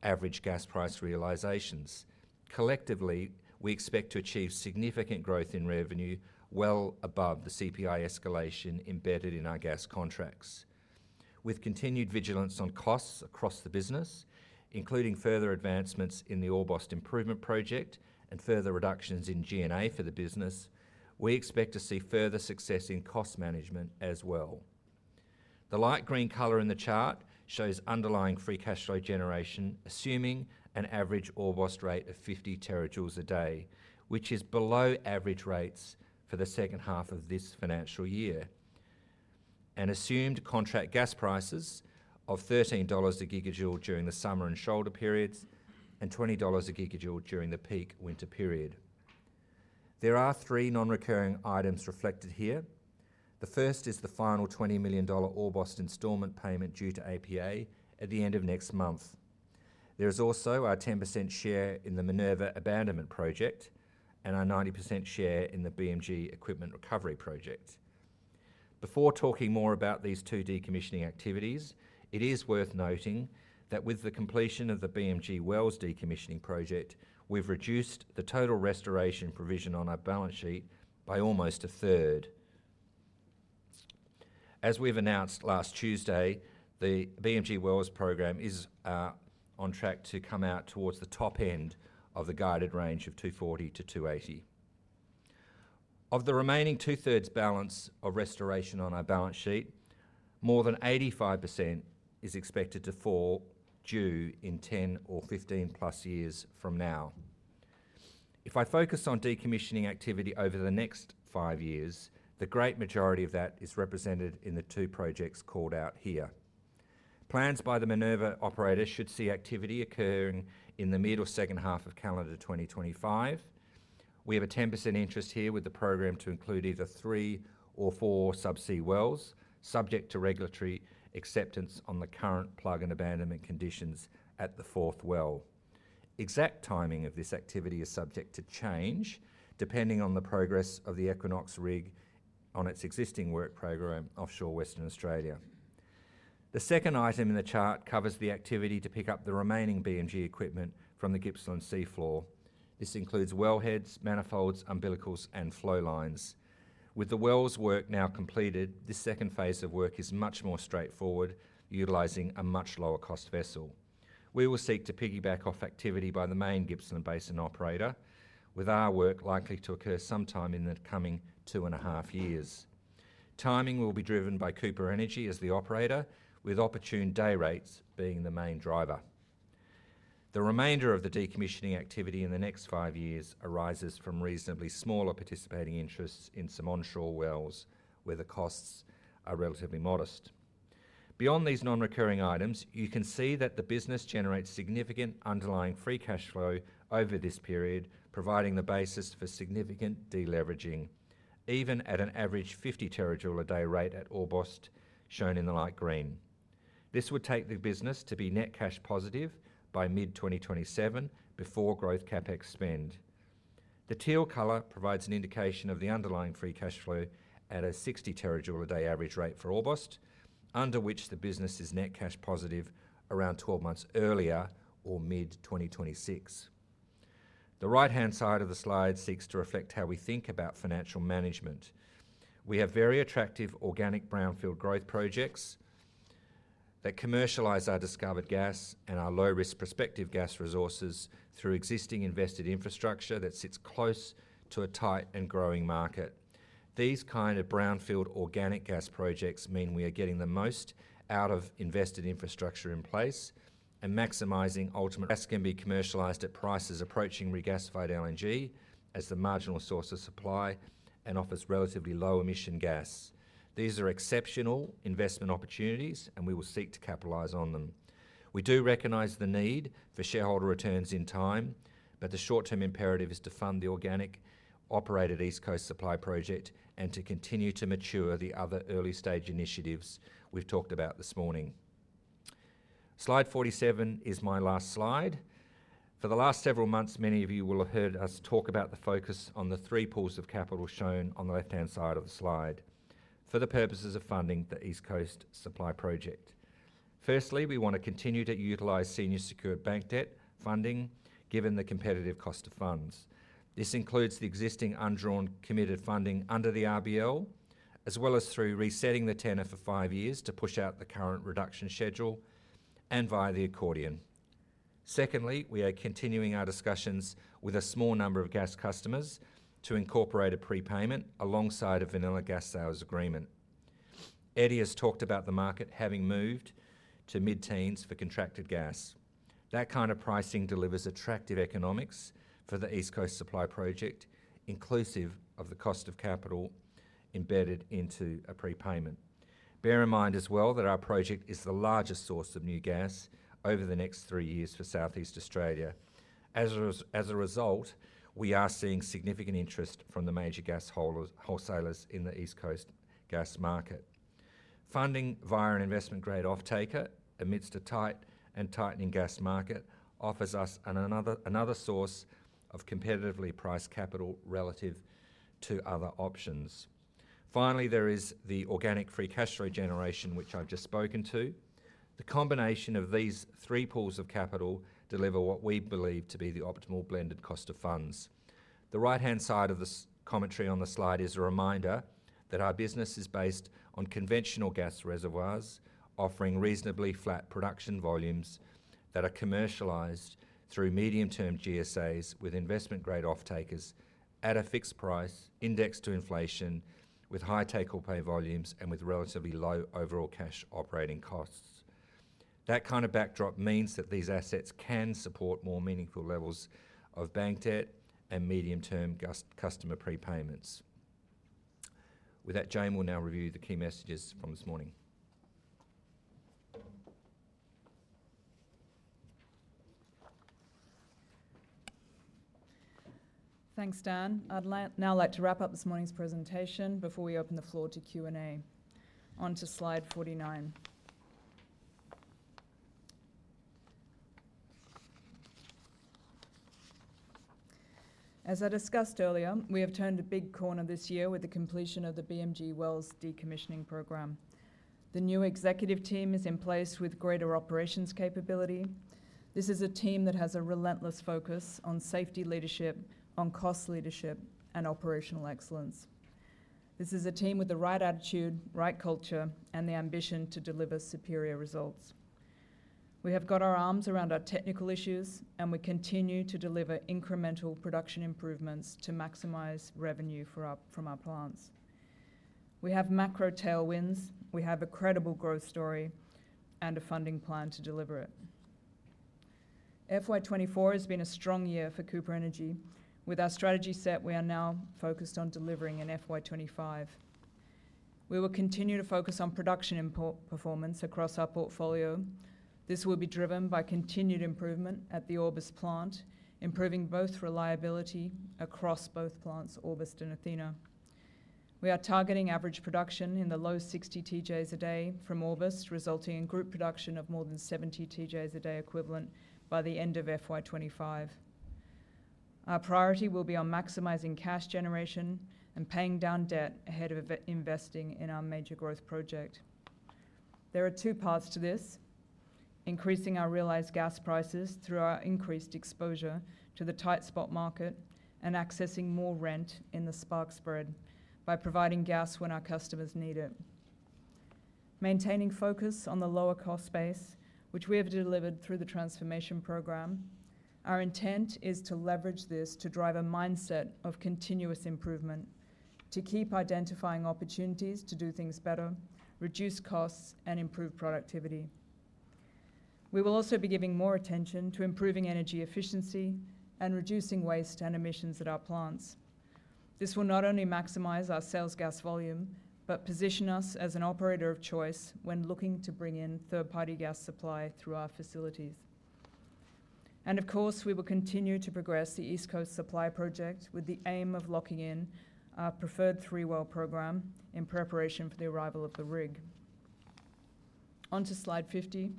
average gas price realizations. Collectively, we expect to achieve significant growth in revenue well above the CPI escalation embedded in our gas contracts. With continued vigilance on costs across the business, including further advancements in the Orbost Improvement Project and further reductions in GNA for the business, we expect to see further success in cost management as well. The light green color in the chart shows underlying free cash flow generation, assuming an average Orbost rate of 50 terajoules a day, which is below average rates for the second half of this financial year. And assumed contract gas prices of 13 dollars a gigajoule during the summer and shoulder periods, and 20 dollars a gigajoule during the peak winter period. There are three non-recurring items reflected here. The first is the final 20,000,000 dollar Orbost installment payment due to APA at the end of next month. There is also our 10% share in the Minerva abandonment project and our 90% share in the BMG equipment recovery project. Before talking more about these two decommissioning activities, it is worth noting that with the completion of the BMG wells decommissioning project, we've reduced the total restoration provision on our balance sheet by almost a third. As we've announced last Tuesday, the BMG wells program is on track to come out towards the top end of the guided range of 240-280. Of the remaining two-thirds balance of restoration on our balance sheet, more than 85% is expected to fall due in 10 or 15+ years from now. If I focus on decommissioning activity over the next 5 years, the great majority of that is represented in the two projects called out here. Plans by the Minerva operator should see activity occurring in the mid or second half of calendar 2025. We have a 10% interest here, with the program to include either 3 or 4 subsea wells, subject to regulatory acceptance on the current plug and abandonment conditions at the 4th well. Exact timing of this activity is subject to change, depending on the progress of the Equinox rig on its existing work program offshore Western Australia. The second item in the chart covers the activity to pick up the remaining BMG equipment from the Gippsland sea floor. This includes well heads, manifolds, umbilicals, and flow lines. With the wells work now completed, this second phase of work is much more straightforward, utilizing a much lower cost vessel. We will seek to piggyback off activity by the main Gippsland Basin operator, with our work likely to occur sometime in the coming 2.5 years. Timing will be driven by Cooper Energy as the operator, with opportune day rates being the main driver. The remainder of the decommissioning activity in the next 5 years arises from reasonably smaller participating interests in some onshore wells, where the costs are relatively modest. Beyond these non-recurring items, you can see that the business generates significant underlying free cash flow over this period, providing the basis for significant de-leveraging, even at an average 50 terajoule a day rate at Orbost, shown in the light green. This would take the business to be net cash positive by mid-2027, before growth CapEx spend. The teal color provides an indication of the underlying free cash flow at a 60 terajoule a day average rate for Orbost, under which the business is net cash positive around 12 months earlier or mid-2026. The right-hand side of the slide seeks to reflect how we think about financial management. We have very attractive organic brownfield growth projects that commercialize our discovered gas and our low-risk prospective gas resources through existing invested infrastructure that sits close to a tight and growing market. These kind of brownfield organic gas projects mean we are getting the most out of invested infrastructure in place and maximizing ultimate gas. Gas can be commercialized at prices approaching regasified LNG as the marginal source of supply and offers relatively low emission gas. These are exceptional investment opportunities, and we will seek to capitalize on them. We do recognize the need for shareholder returns in time, but the short-term imperative is to fund the organic operated East Coast Supply Project and to continue to mature the other early-stage initiatives we've talked about this morning. Slide 47 is my last slide. For the last several months, many of you will have heard us talk about the focus on the three pools of capital shown on the left-hand side of the slide for the purposes of funding the East Coast Supply Project. Firstly, we want to continue to utilize senior secured bank debt funding, given the competitive cost of funds. This includes the existing undrawn committed funding under the RBL, as well as through resetting the tenor for 5 years to push out the current reduction schedule and via the accordion. Secondly, we are continuing our discussions with a small number of gas customers to incorporate a prepayment alongside a vanilla gas sales agreement... Eddy has talked about the market having moved to mid-teens for contracted gas. That kind of pricing delivers attractive economics for the East Coast Supply Project, inclusive of the cost of capital embedded into a prepayment. Bear in mind as well, that our project is the largest source of new gas over the next 3 years for Southeast Australia. As a result, we are seeing significant interest from the major gas wholesalers in the East Coast gas market. Funding via an investment-grade offtaker amidst a tight and tightening gas market offers us another source of competitively priced capital relative to other options. Finally, there is the organic free cash flow generation, which I've just spoken to. The combination of these three pools of capital deliver what we believe to be the optimal blended cost of funds. The right-hand side of this commentary on the slide is a reminder that our business is based on conventional gas reservoirs, offering reasonably flat production volumes that are commercialized through medium-term GSAs with investment-grade offtakers at a fixed price indexed to inflation, with high take-or-pay volumes, and with relatively low overall cash operating costs. That kind of backdrop means that these assets can support more meaningful levels of bank debt and medium-term gas-customer prepayments. With that, Jane will now review the key messages from this morning. Thanks, Dan. I'd like now to wrap up this morning's presentation before we open the floor to Q&A. On to slide 49. As I discussed earlier, we have turned a big corner this year with the completion of the BMG wells decommissioning program. The new executive team is in place with greater operations capability. This is a team that has a relentless focus on safety leadership, on cost leadership, and operational excellence. This is a team with the right attitude, right culture, and the ambition to deliver superior results. We have got our arms around our technical issues, and we continue to deliver incremental production improvements to maximize revenue from our plants. We have macro tailwinds, we have a credible growth story, and a funding plan to deliver it. FY 2024 has been a strong year for Cooper Energy. With our strategy set, we are now focused on delivering in FY 25. We will continue to focus on production and performance across our portfolio. This will be driven by continued improvement at the Orbost Plant, improving both reliability across both plants, Orbost and Athena. We are targeting average production in the low 60 TJs a day from Orbost, resulting in group production of more than 70 TJs a day equivalent by the end of FY 25. Our priority will be on maximizing cash generation and paying down debt ahead of investing in our major growth project. There are two parts to this: increasing our realized gas prices through our increased exposure to the tight spot market, and accessing more rent in the spark spread by providing gas when our customers need it. Maintaining focus on the lower cost base, which we have delivered through the transformation program, our intent is to leverage this to drive a mindset of continuous improvement, to keep identifying opportunities to do things better, reduce costs, and improve productivity. We will also be giving more attention to improving energy efficiency and reducing waste and emissions at our plants. This will not only maximize our sales gas volume, but position us as an operator of choice when looking to bring in third-party gas supply through our facilities. And of course, we will continue to progress the East Coast Supply Project with the aim of locking in our preferred three-well program in preparation for the arrival of the rig. On to slide 50.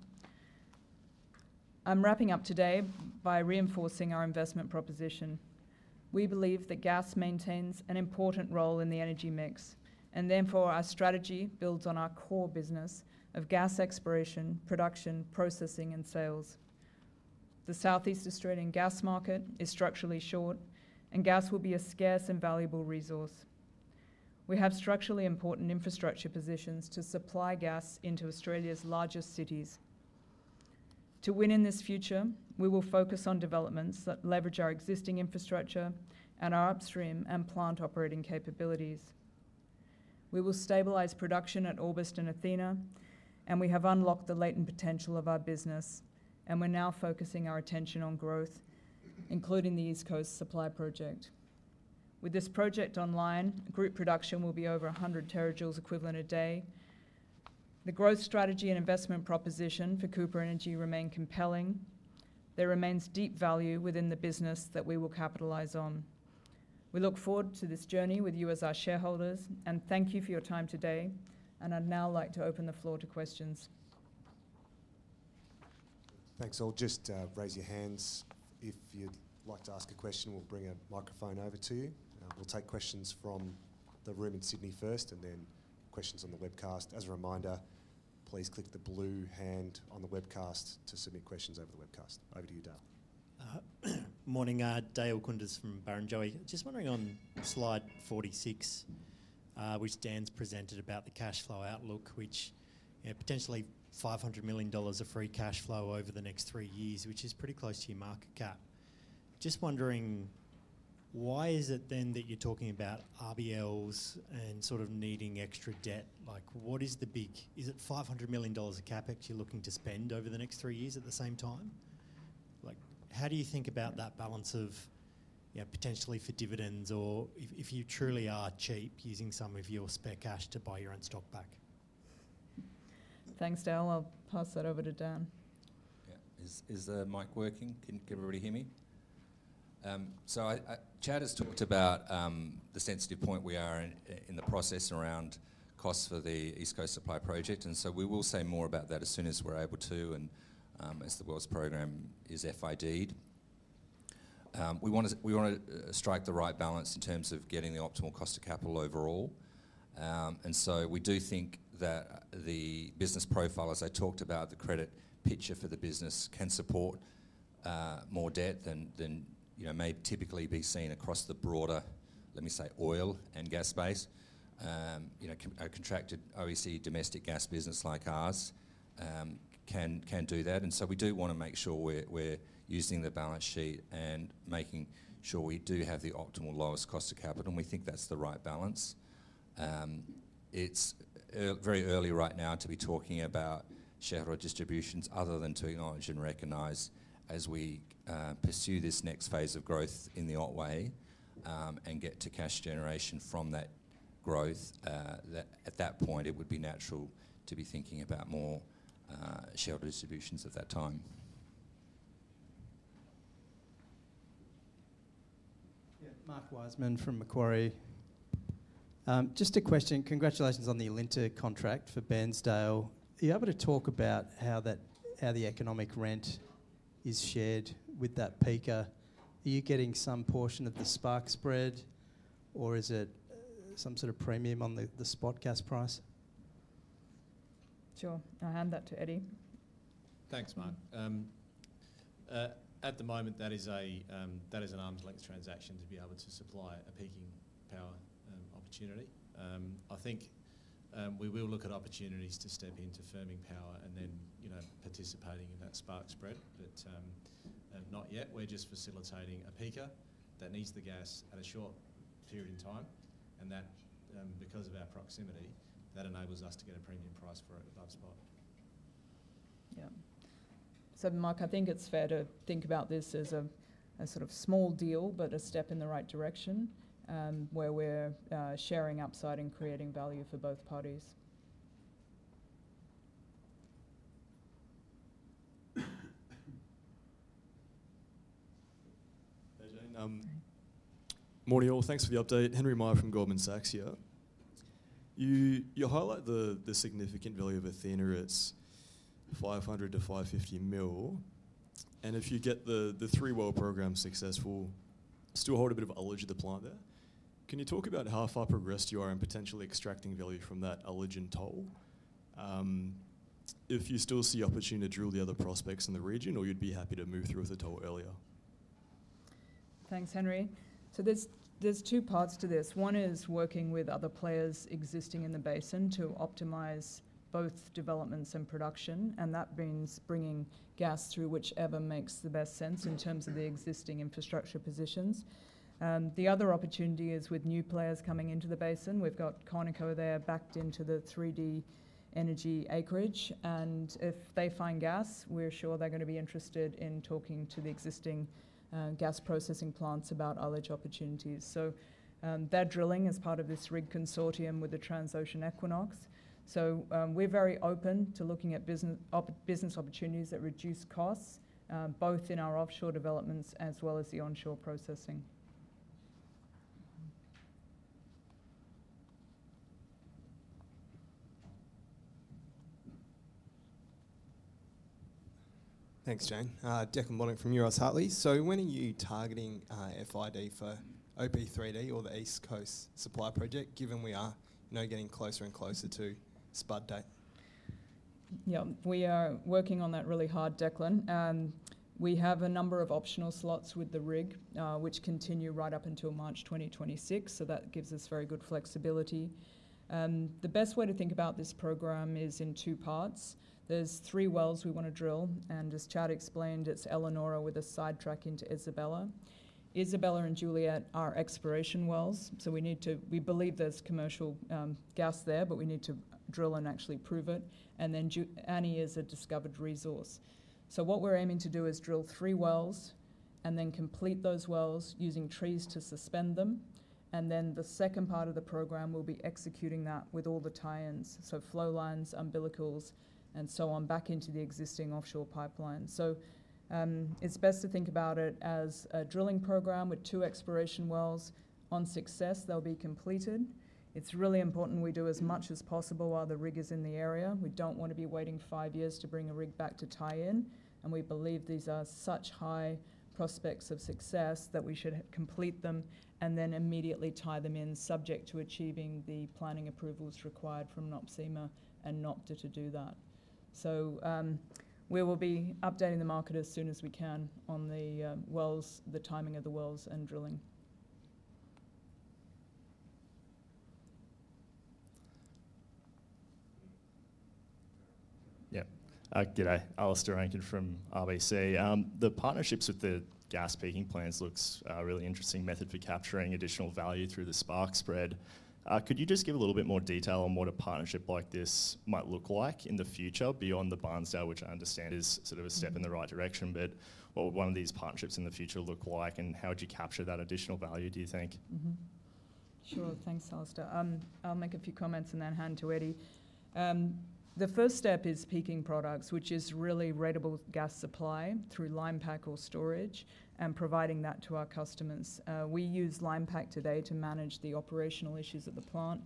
I'm wrapping up today by reinforcing our investment proposition. We believe that gas maintains an important role in the energy mix, and therefore, our strategy builds on our core business of gas exploration, production, processing, and sales. The Southeast Australian gas market is structurally short, and gas will be a scarce and valuable resource. We have structurally important infrastructure positions to supply gas into Australia's largest cities. To win in this future, we will focus on developments that leverage our existing infrastructure and our upstream and plant operating capabilities. We will stabilize production at Orbost and Athena, and we have unlocked the latent potential of our business, and we're now focusing our attention on growth, including the East Coast Supply Project. With this project online, group production will be over 100 terajoules equivalent a day. The growth strategy and investment proposition for Cooper Energy remain compelling. There remains deep value within the business that we will capitalize on. We look forward to this journey with you as our shareholders, and thank you for your time today, and I'd now like to open the floor to questions. Thanks. So just raise your hands if you'd like to ask a question, we'll bring a microphone over to you. We'll take questions from the room in Sydney first, and then questions on the webcast. As a reminder, please click the blue hand on the webcast to submit questions over the webcast. Over to you, Dale. Morning, Dale Koenders from Barrenjoey. Just wondering on slide 46, which Dan's presented about the cash flow outlook, which, you know, potentially 500,000,000 dollars of free cash flow over the next three years, which is pretty close to your market cap. Just wondering why is it then that you're talking about RBLs and sort of needing extra debt? Like, what is the big? Is it 500,000,000 dollars of CapEx you're looking to spend over the next three years at the same time? Like, how do you think about that balance of, you know, potentially for dividends, or if, if you truly are cheap, using some of your spare cash to buy your own stock back? Thanks, Dale. I'll pass that over to Dan. Yeah. Is the mic working? Can everybody hear me? So Chad has talked about the sensitive point we are in, in the process around costs for the East Coast Supply Project, and so we will say more about that as soon as we're able to, and as the wells program is FID'd. We want to strike the right balance in terms of getting the optimal cost of capital overall. And so we do think that the business profile, as I talked about, the credit picture for the business can support more debt than you know may typically be seen across the broader, let me say, oil and gas space. You know, a contracted EC domestic gas business like ours can do that. And so we do want to make sure we're using the balance sheet and making sure we do have the optimal lowest cost of capital, and we think that's the right balance. It's very early right now to be talking about shareholder distributions other than to acknowledge and recognize as we pursue this next phase of growth in the Otway, and get to cash generation from that growth. That at that point, it would be natural to be thinking about more shareholder distributions at that time. Yeah. Mark Wiseman from Macquarie. Just a question. Congratulations on the Alinta contract for Bairnsdale. Are you able to talk about how that, how the economic rent is shared with that peaker? Are you getting some portion of the spark spread, or is it some sort of premium on the, the spot gas price? Sure. I'll hand that to Eddy. Thanks, Mark. At the moment, that is an arm's length transaction to be able to supply a peaking power opportunity. I think we will look at opportunities to step into firming power and then, you know, participating in that spark spread, but not yet. We're just facilitating a peaker that needs the gas at a short period in time, and that, because of our proximity, that enables us to get a premium price for it above spot. Yeah. So Mark, I think it's fair to think about this as a sort of small deal, but a step in the right direction, where we're sharing upside and creating value for both parties. Hey, Jane, Hi. Morning, all. Thanks for the update. Henry Meyer from Goldman Sachs here. You highlight the significant value of Athena. It's 500,000,000-550,000,000, and if you get the three-well program successful, still hold a bit of leverage at the plant there. Can you talk about how far progressed you are in potentially extracting value from that leverage and toll, if you still see opportunity to drill the other prospects in the region, or you'd be happy to move through with the toll earlier? Thanks, Henry. So there's two parts to this. One is working with other players existing in the basin to optimize both developments and production, and that means bringing gas through whichever makes the best sense in terms of the existing infrastructure positions. The other opportunity is with new players coming into the basin. We've got Conoco there, backed into the 3D energy acreage, and if they find gas, we're sure they're going to be interested in talking to the existing gas processing plants about leverage opportunities. So, we're very open to looking at business opportunities that reduce costs, both in our offshore developments as well as the onshore processing. Thanks, Jane. Declan Bonnick from Euroz Hartleys. So when are you targeting FID for OP3D or the East Coast Supply Project, given we are, you know, getting closer and closer to spud date? Yeah, we are working on that really hard, Declan. We have a number of optional slots with the rig, which continue right up until March 2026, so that gives us very good flexibility. The best way to think about this program is in two parts. There's three wells we want to drill, and as Chad explained, it's Elanora with a sidetrack into Isabella. Isabella and Juliet are exploration wells, so we need to we believe there's commercial gas there, but we need to drill and actually prove it, and then Annie is a discovered resource. So what we're aiming to do is drill three wells and then complete those wells using trees to suspend them, and then the second part of the program will be executing that with all the tie-ins, so flow lines, umbilicals, and so on, back into the existing offshore pipeline. So, it's best to think about it as a drilling program with two exploration wells. On success, they'll be completed. It's really important we do as much as possible while the rig is in the area. We don't want to be waiting five years to bring a rig back to tie in, and we believe these are such high prospects of success that we should complete them and then immediately tie them in, subject to achieving the planning approvals required from NOPSEMA and NOPTA to do that. So, we will be updating the market as soon as we can on the wells, the timing of the wells and drilling.... Yeah. G'day, Alistair Rankin from RBC. The partnerships with the gas peaking plants looks a really interesting method for capturing additional value through the spark spread. Could you just give a little bit more detail on what a partnership like this might look like in the future, beyond the Bairnsdale, which I understand is sort of a step in the right direction, but what would one of these partnerships in the future look like, and how would you capture that additional value, do you think? Mm-hmm. Sure. Thanks, Alistair. I'll make a few comments, and then hand to Eddy. The first step is peaking products, which is really ratable gas supply through line pack or storage, and providing that to our customers. We use line pack today to manage the operational issues of the plant.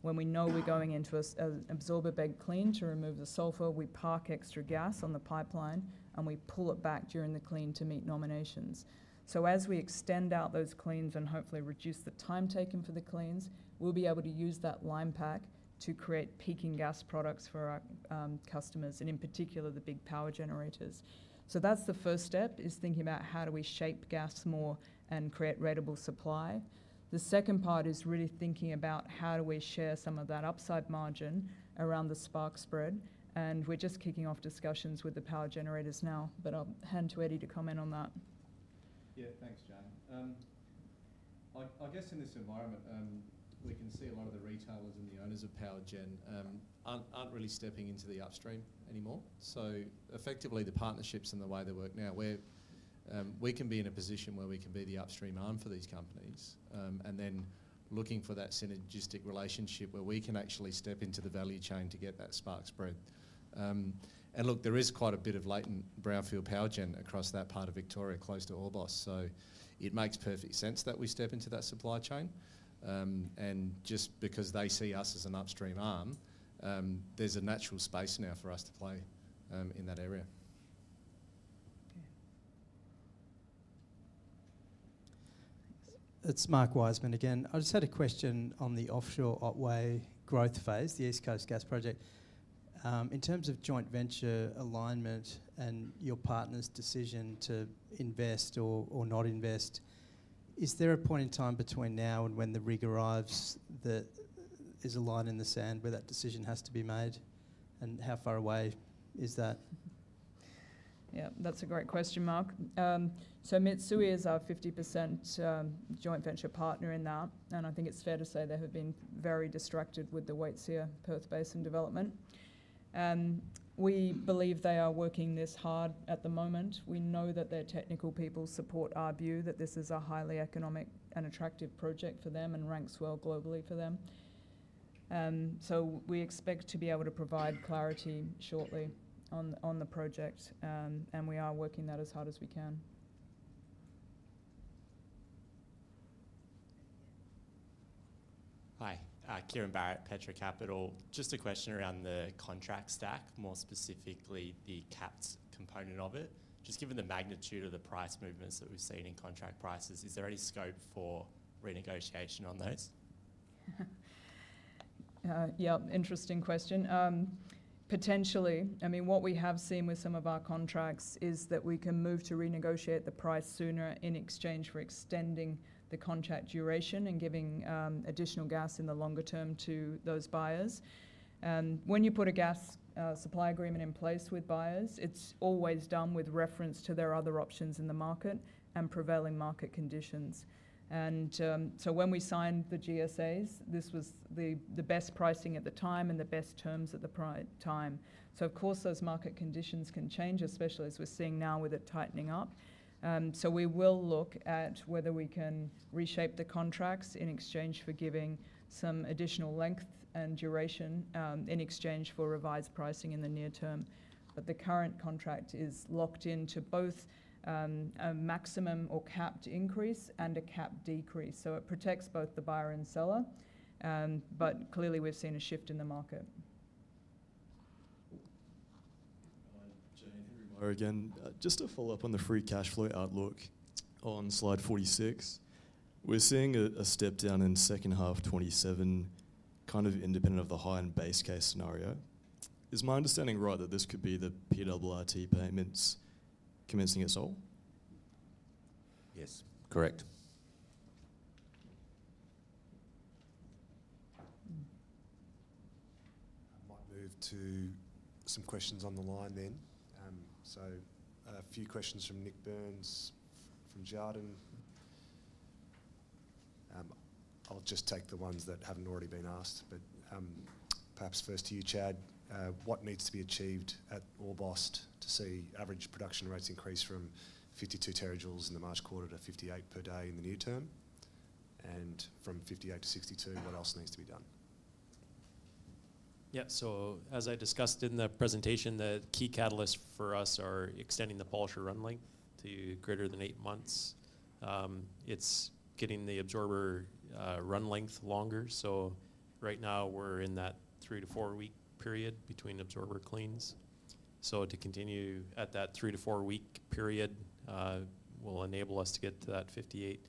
When we know we're going into an absorber bed clean to remove the sulfur, we park extra gas on the pipeline, and we pull it back during the clean to meet nominations. So as we extend out those cleans, and hopefully reduce the time taken for the cleans, we'll be able to use that line pack to create peaking gas products for our customers, and in particular, the big power generators. So that's the first step, is thinking about how do we shape gas more and create ratable supply. The second part is really thinking about how do we share some of that upside margin around the spark spread, and we're just kicking off discussions with the power generators now, but I'll hand to Eddy to comment on that. Yeah, thanks, Jane. I guess in this environment, we can see a lot of the retailers and the owners of power gen aren't really stepping into the upstream anymore. So effectively, the partnerships and the way they work now, we're. We can be in a position where we can be the upstream arm for these companies, and then looking for that synergistic relationship where we can actually step into the value chain to get that spark spread. And look, there is quite a bit of latent brownfield power gen across that part of Victoria, close to Orbost, so it makes perfect sense that we step into that supply chain. And just because they see us as an upstream arm, there's a natural space now for us to play, in that area. Yeah. It's Mark Wiseman again. I just had a question on the offshore Otway growth phase, the East Coast Supply Project. In terms of joint venture alignment and your partner's decision to invest or not invest, is there a point in time between now and when the rig arrives that there's a line in the sand where that decision has to be made? And how far away is that? Yeah, that's a great question, Mark. So Mitsui is our 50%, joint venture partner in that, and I think it's fair to say they have been very distracted with the Waitsia Perth Basin development. We believe they are working this hard at the moment. We know that their technical people support our view that this is a highly economic and attractive project for them, and ranks well globally for them. So we expect to be able to provide clarity shortly on the project, and we are working that as hard as we can. Hi, Kieran Barratt, Petra Capital. Just a question around the contract stack, more specifically the capped component of it. Just given the magnitude of the price movements that we've seen in contract prices, is there any scope for renegotiation on those? Yeah, interesting question. Potentially. I mean, what we have seen with some of our contracts is that we can move to renegotiate the price sooner in exchange for extending the contract duration, and giving additional gas in the longer term to those buyers. When you put a gas supply agreement in place with buyers, it's always done with reference to their other options in the market and prevailing market conditions. And so when we signed the GSAs, this was the best pricing at the time, and the best terms at the time. So of course, those market conditions can change, especially as we're seeing now with it tightening up. So we will look at whether we can reshape the contracts in exchange for giving some additional length and duration in exchange for revised pricing in the near term. But the current contract is locked into both, a maximum or capped increase and a capped decrease, so it protects both the buyer and seller. But clearly, we've seen a shift in the market. Hi, Jane. Henry Meyer again. Just to follow up on the free cash flow outlook on slide 46. We're seeing a step down in second half 2027, kind of independent of the high and base case scenario. Is my understanding right, that this could be the PRRT payments commencing at Sole? Yes, correct. Mm. I might move to some questions on the line then. So a few questions from Nik Burns, from Jarden. I'll just take the ones that haven't already been asked, but perhaps first to you, Chad. What needs to be achieved at Orbost to see average production rates increase from 52 terajoules in the March quarter to 58 per day in the near term? And from 58 to 62, what else needs to be done? Yeah. So as I discussed in the presentation, the key catalysts for us are extending the polisher run length to greater than 8 months. It's getting the absorber run length longer, so right now we're in that 3-4-week period between absorber cleans. So to continue at that 3-4-week period will enable us to get to that 58,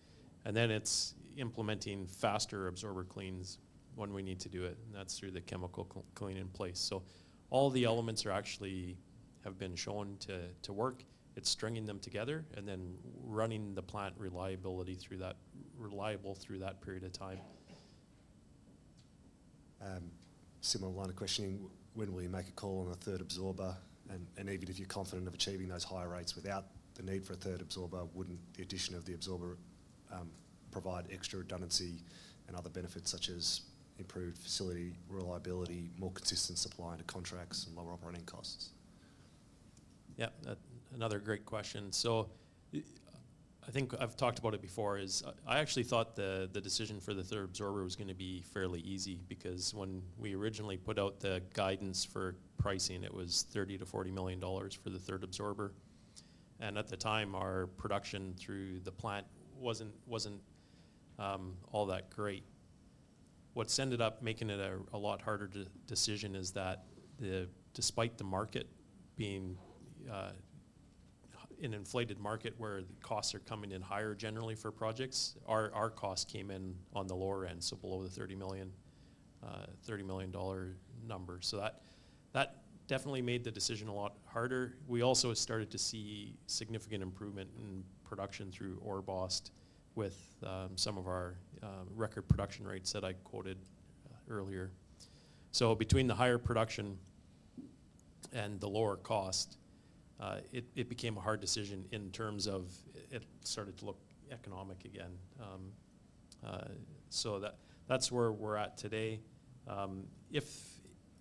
and then it's implementing faster absorber cleans when we need to do it, and that's through the chemical clean in place. So all the elements are actually have been shown to work. It's stringing them together, and then running the plant reliably through that period of time.... similar line of questioning, when will you make a call on a third absorber? And, and even if you're confident of achieving those higher rates without the need for a third absorber, wouldn't the addition of the absorber provide extra redundancy and other benefits, such as improved facility reliability, more consistent supply into contracts, and lower operating costs? Yep, that, another great question. So, I think I've talked about it before, is I actually thought the decision for the third absorber was gonna be fairly easy. Because when we originally put out the guidance for pricing, it was 30,000,000-40,000,000 dollars for the third absorber, and at the time, our production through the plant wasn't all that great. What's ended up making it a lot harder decision is that the... Despite the market being an inflated market, where the costs are coming in higher generally for projects, our costs came in on the lower end, so below the 30,000,000 dollar number. So that definitely made the decision a lot harder. We also started to see significant improvement in production through Orbost with some of our record production rates that I quoted earlier. So between the higher production and the lower cost, it became a hard decision in terms of it, it started to look economic again. So that's where we're at today. If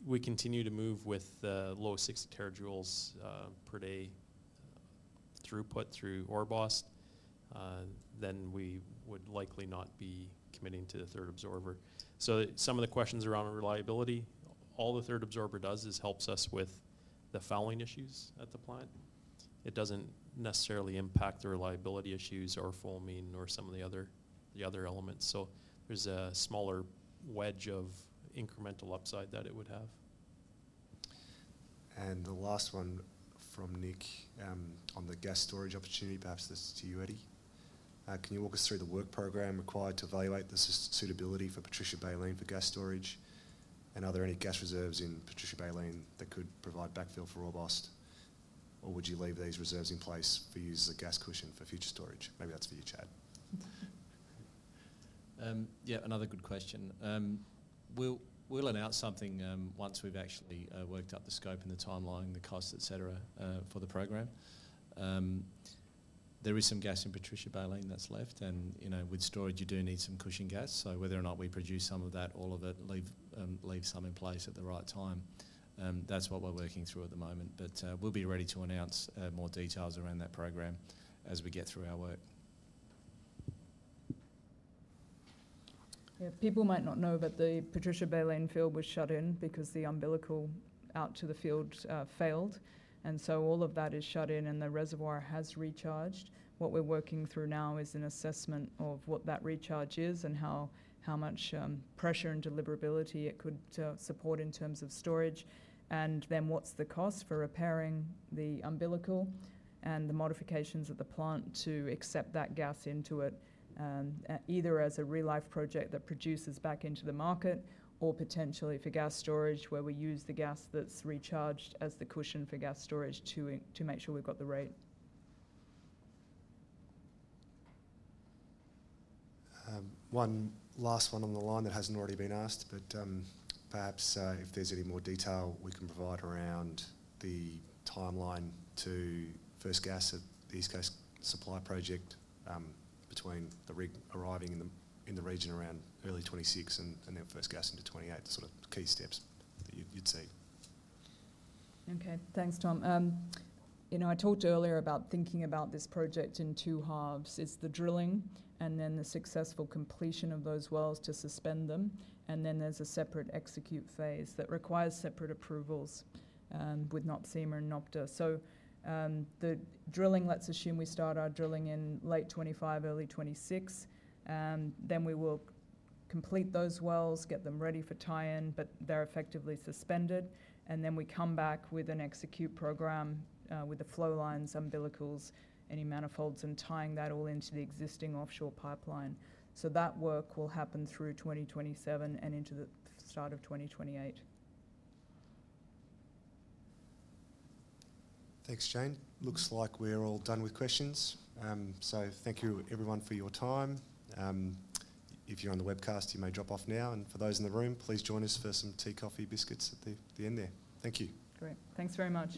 we continue to move with the low 60 terajoules per day throughput through Orbost, then we would likely not be committing to the third absorber. So some of the questions around reliability, all the third absorber does is helps us with the fouling issues at the plant. It doesn't necessarily impact the reliability issues or foaming or some of the other elements, so there's a smaller wedge of incremental upside that it would have. The last one from Nick, on the gas storage opportunity. Perhaps this is to you, Eddy. Can you walk us through the work program required to evaluate the suitability for Patricia Baleen for gas storage? And are there any gas reserves in Patricia Baleen that could provide backfill for Orbost, or would you leave these reserves in place for use as a gas cushion for future storage? Maybe that's for you, Chad. Yeah, another good question. We'll announce something once we've actually worked out the scope and the timeline, the cost, et cetera, for the program. There is some gas in Patricia Baleen that's left, and, you know, with storage, you do need some cushion gas. So whether or not we produce some of that, all of it, leave some in place at the right time, that's what we're working through at the moment. But we'll be ready to announce more details around that program as we get through our work. Yeah, people might not know, but the Patricia Baleen field was shut in because the umbilical out to the field failed, and so all of that is shut in, and the reservoir has recharged. What we're working through now is an assessment of what that recharge is and how much pressure and deliverability it could support in terms of storage. And then, what's the cost for repairing the umbilical and the modifications of the plant to accept that gas into it, either as a re-life project that produces back into the market, or potentially for gas storage, where we use the gas that's recharged as the cushion for gas storage to make sure we've got the rate. One last one on the line that hasn't already been asked, but perhaps, if there's any more detail we can provide around the timeline to first gas at the East Coast Supply Project, between the rig arriving in the region around early 2026 and then first gas into 2028, the sort of key steps that you'd see. Okay. Thanks, Tom. You know, I talked earlier about thinking about this project in two halves. It's the drilling and then the successful completion of those wells to suspend them, and then there's a separate execute phase that requires separate approvals with NOPSEMA and NOPTA. So, the drilling, let's assume we start our drilling in late 2025, early 2026, then we will complete those wells, get them ready for tie-in, but they're effectively suspended. Then, we come back with an execute program with the flow lines, umbilicals, any manifolds, and tying that all into the existing offshore pipeline. So that work will happen through 2027 and into the start of 2028. Thanks, Jane. Looks like we're all done with questions. So thank you everyone for your time. If you're on the webcast, you may drop off now, and for those in the room, please join us for some tea, coffee, biscuits at the end there. Thank you. Great. Thanks very much.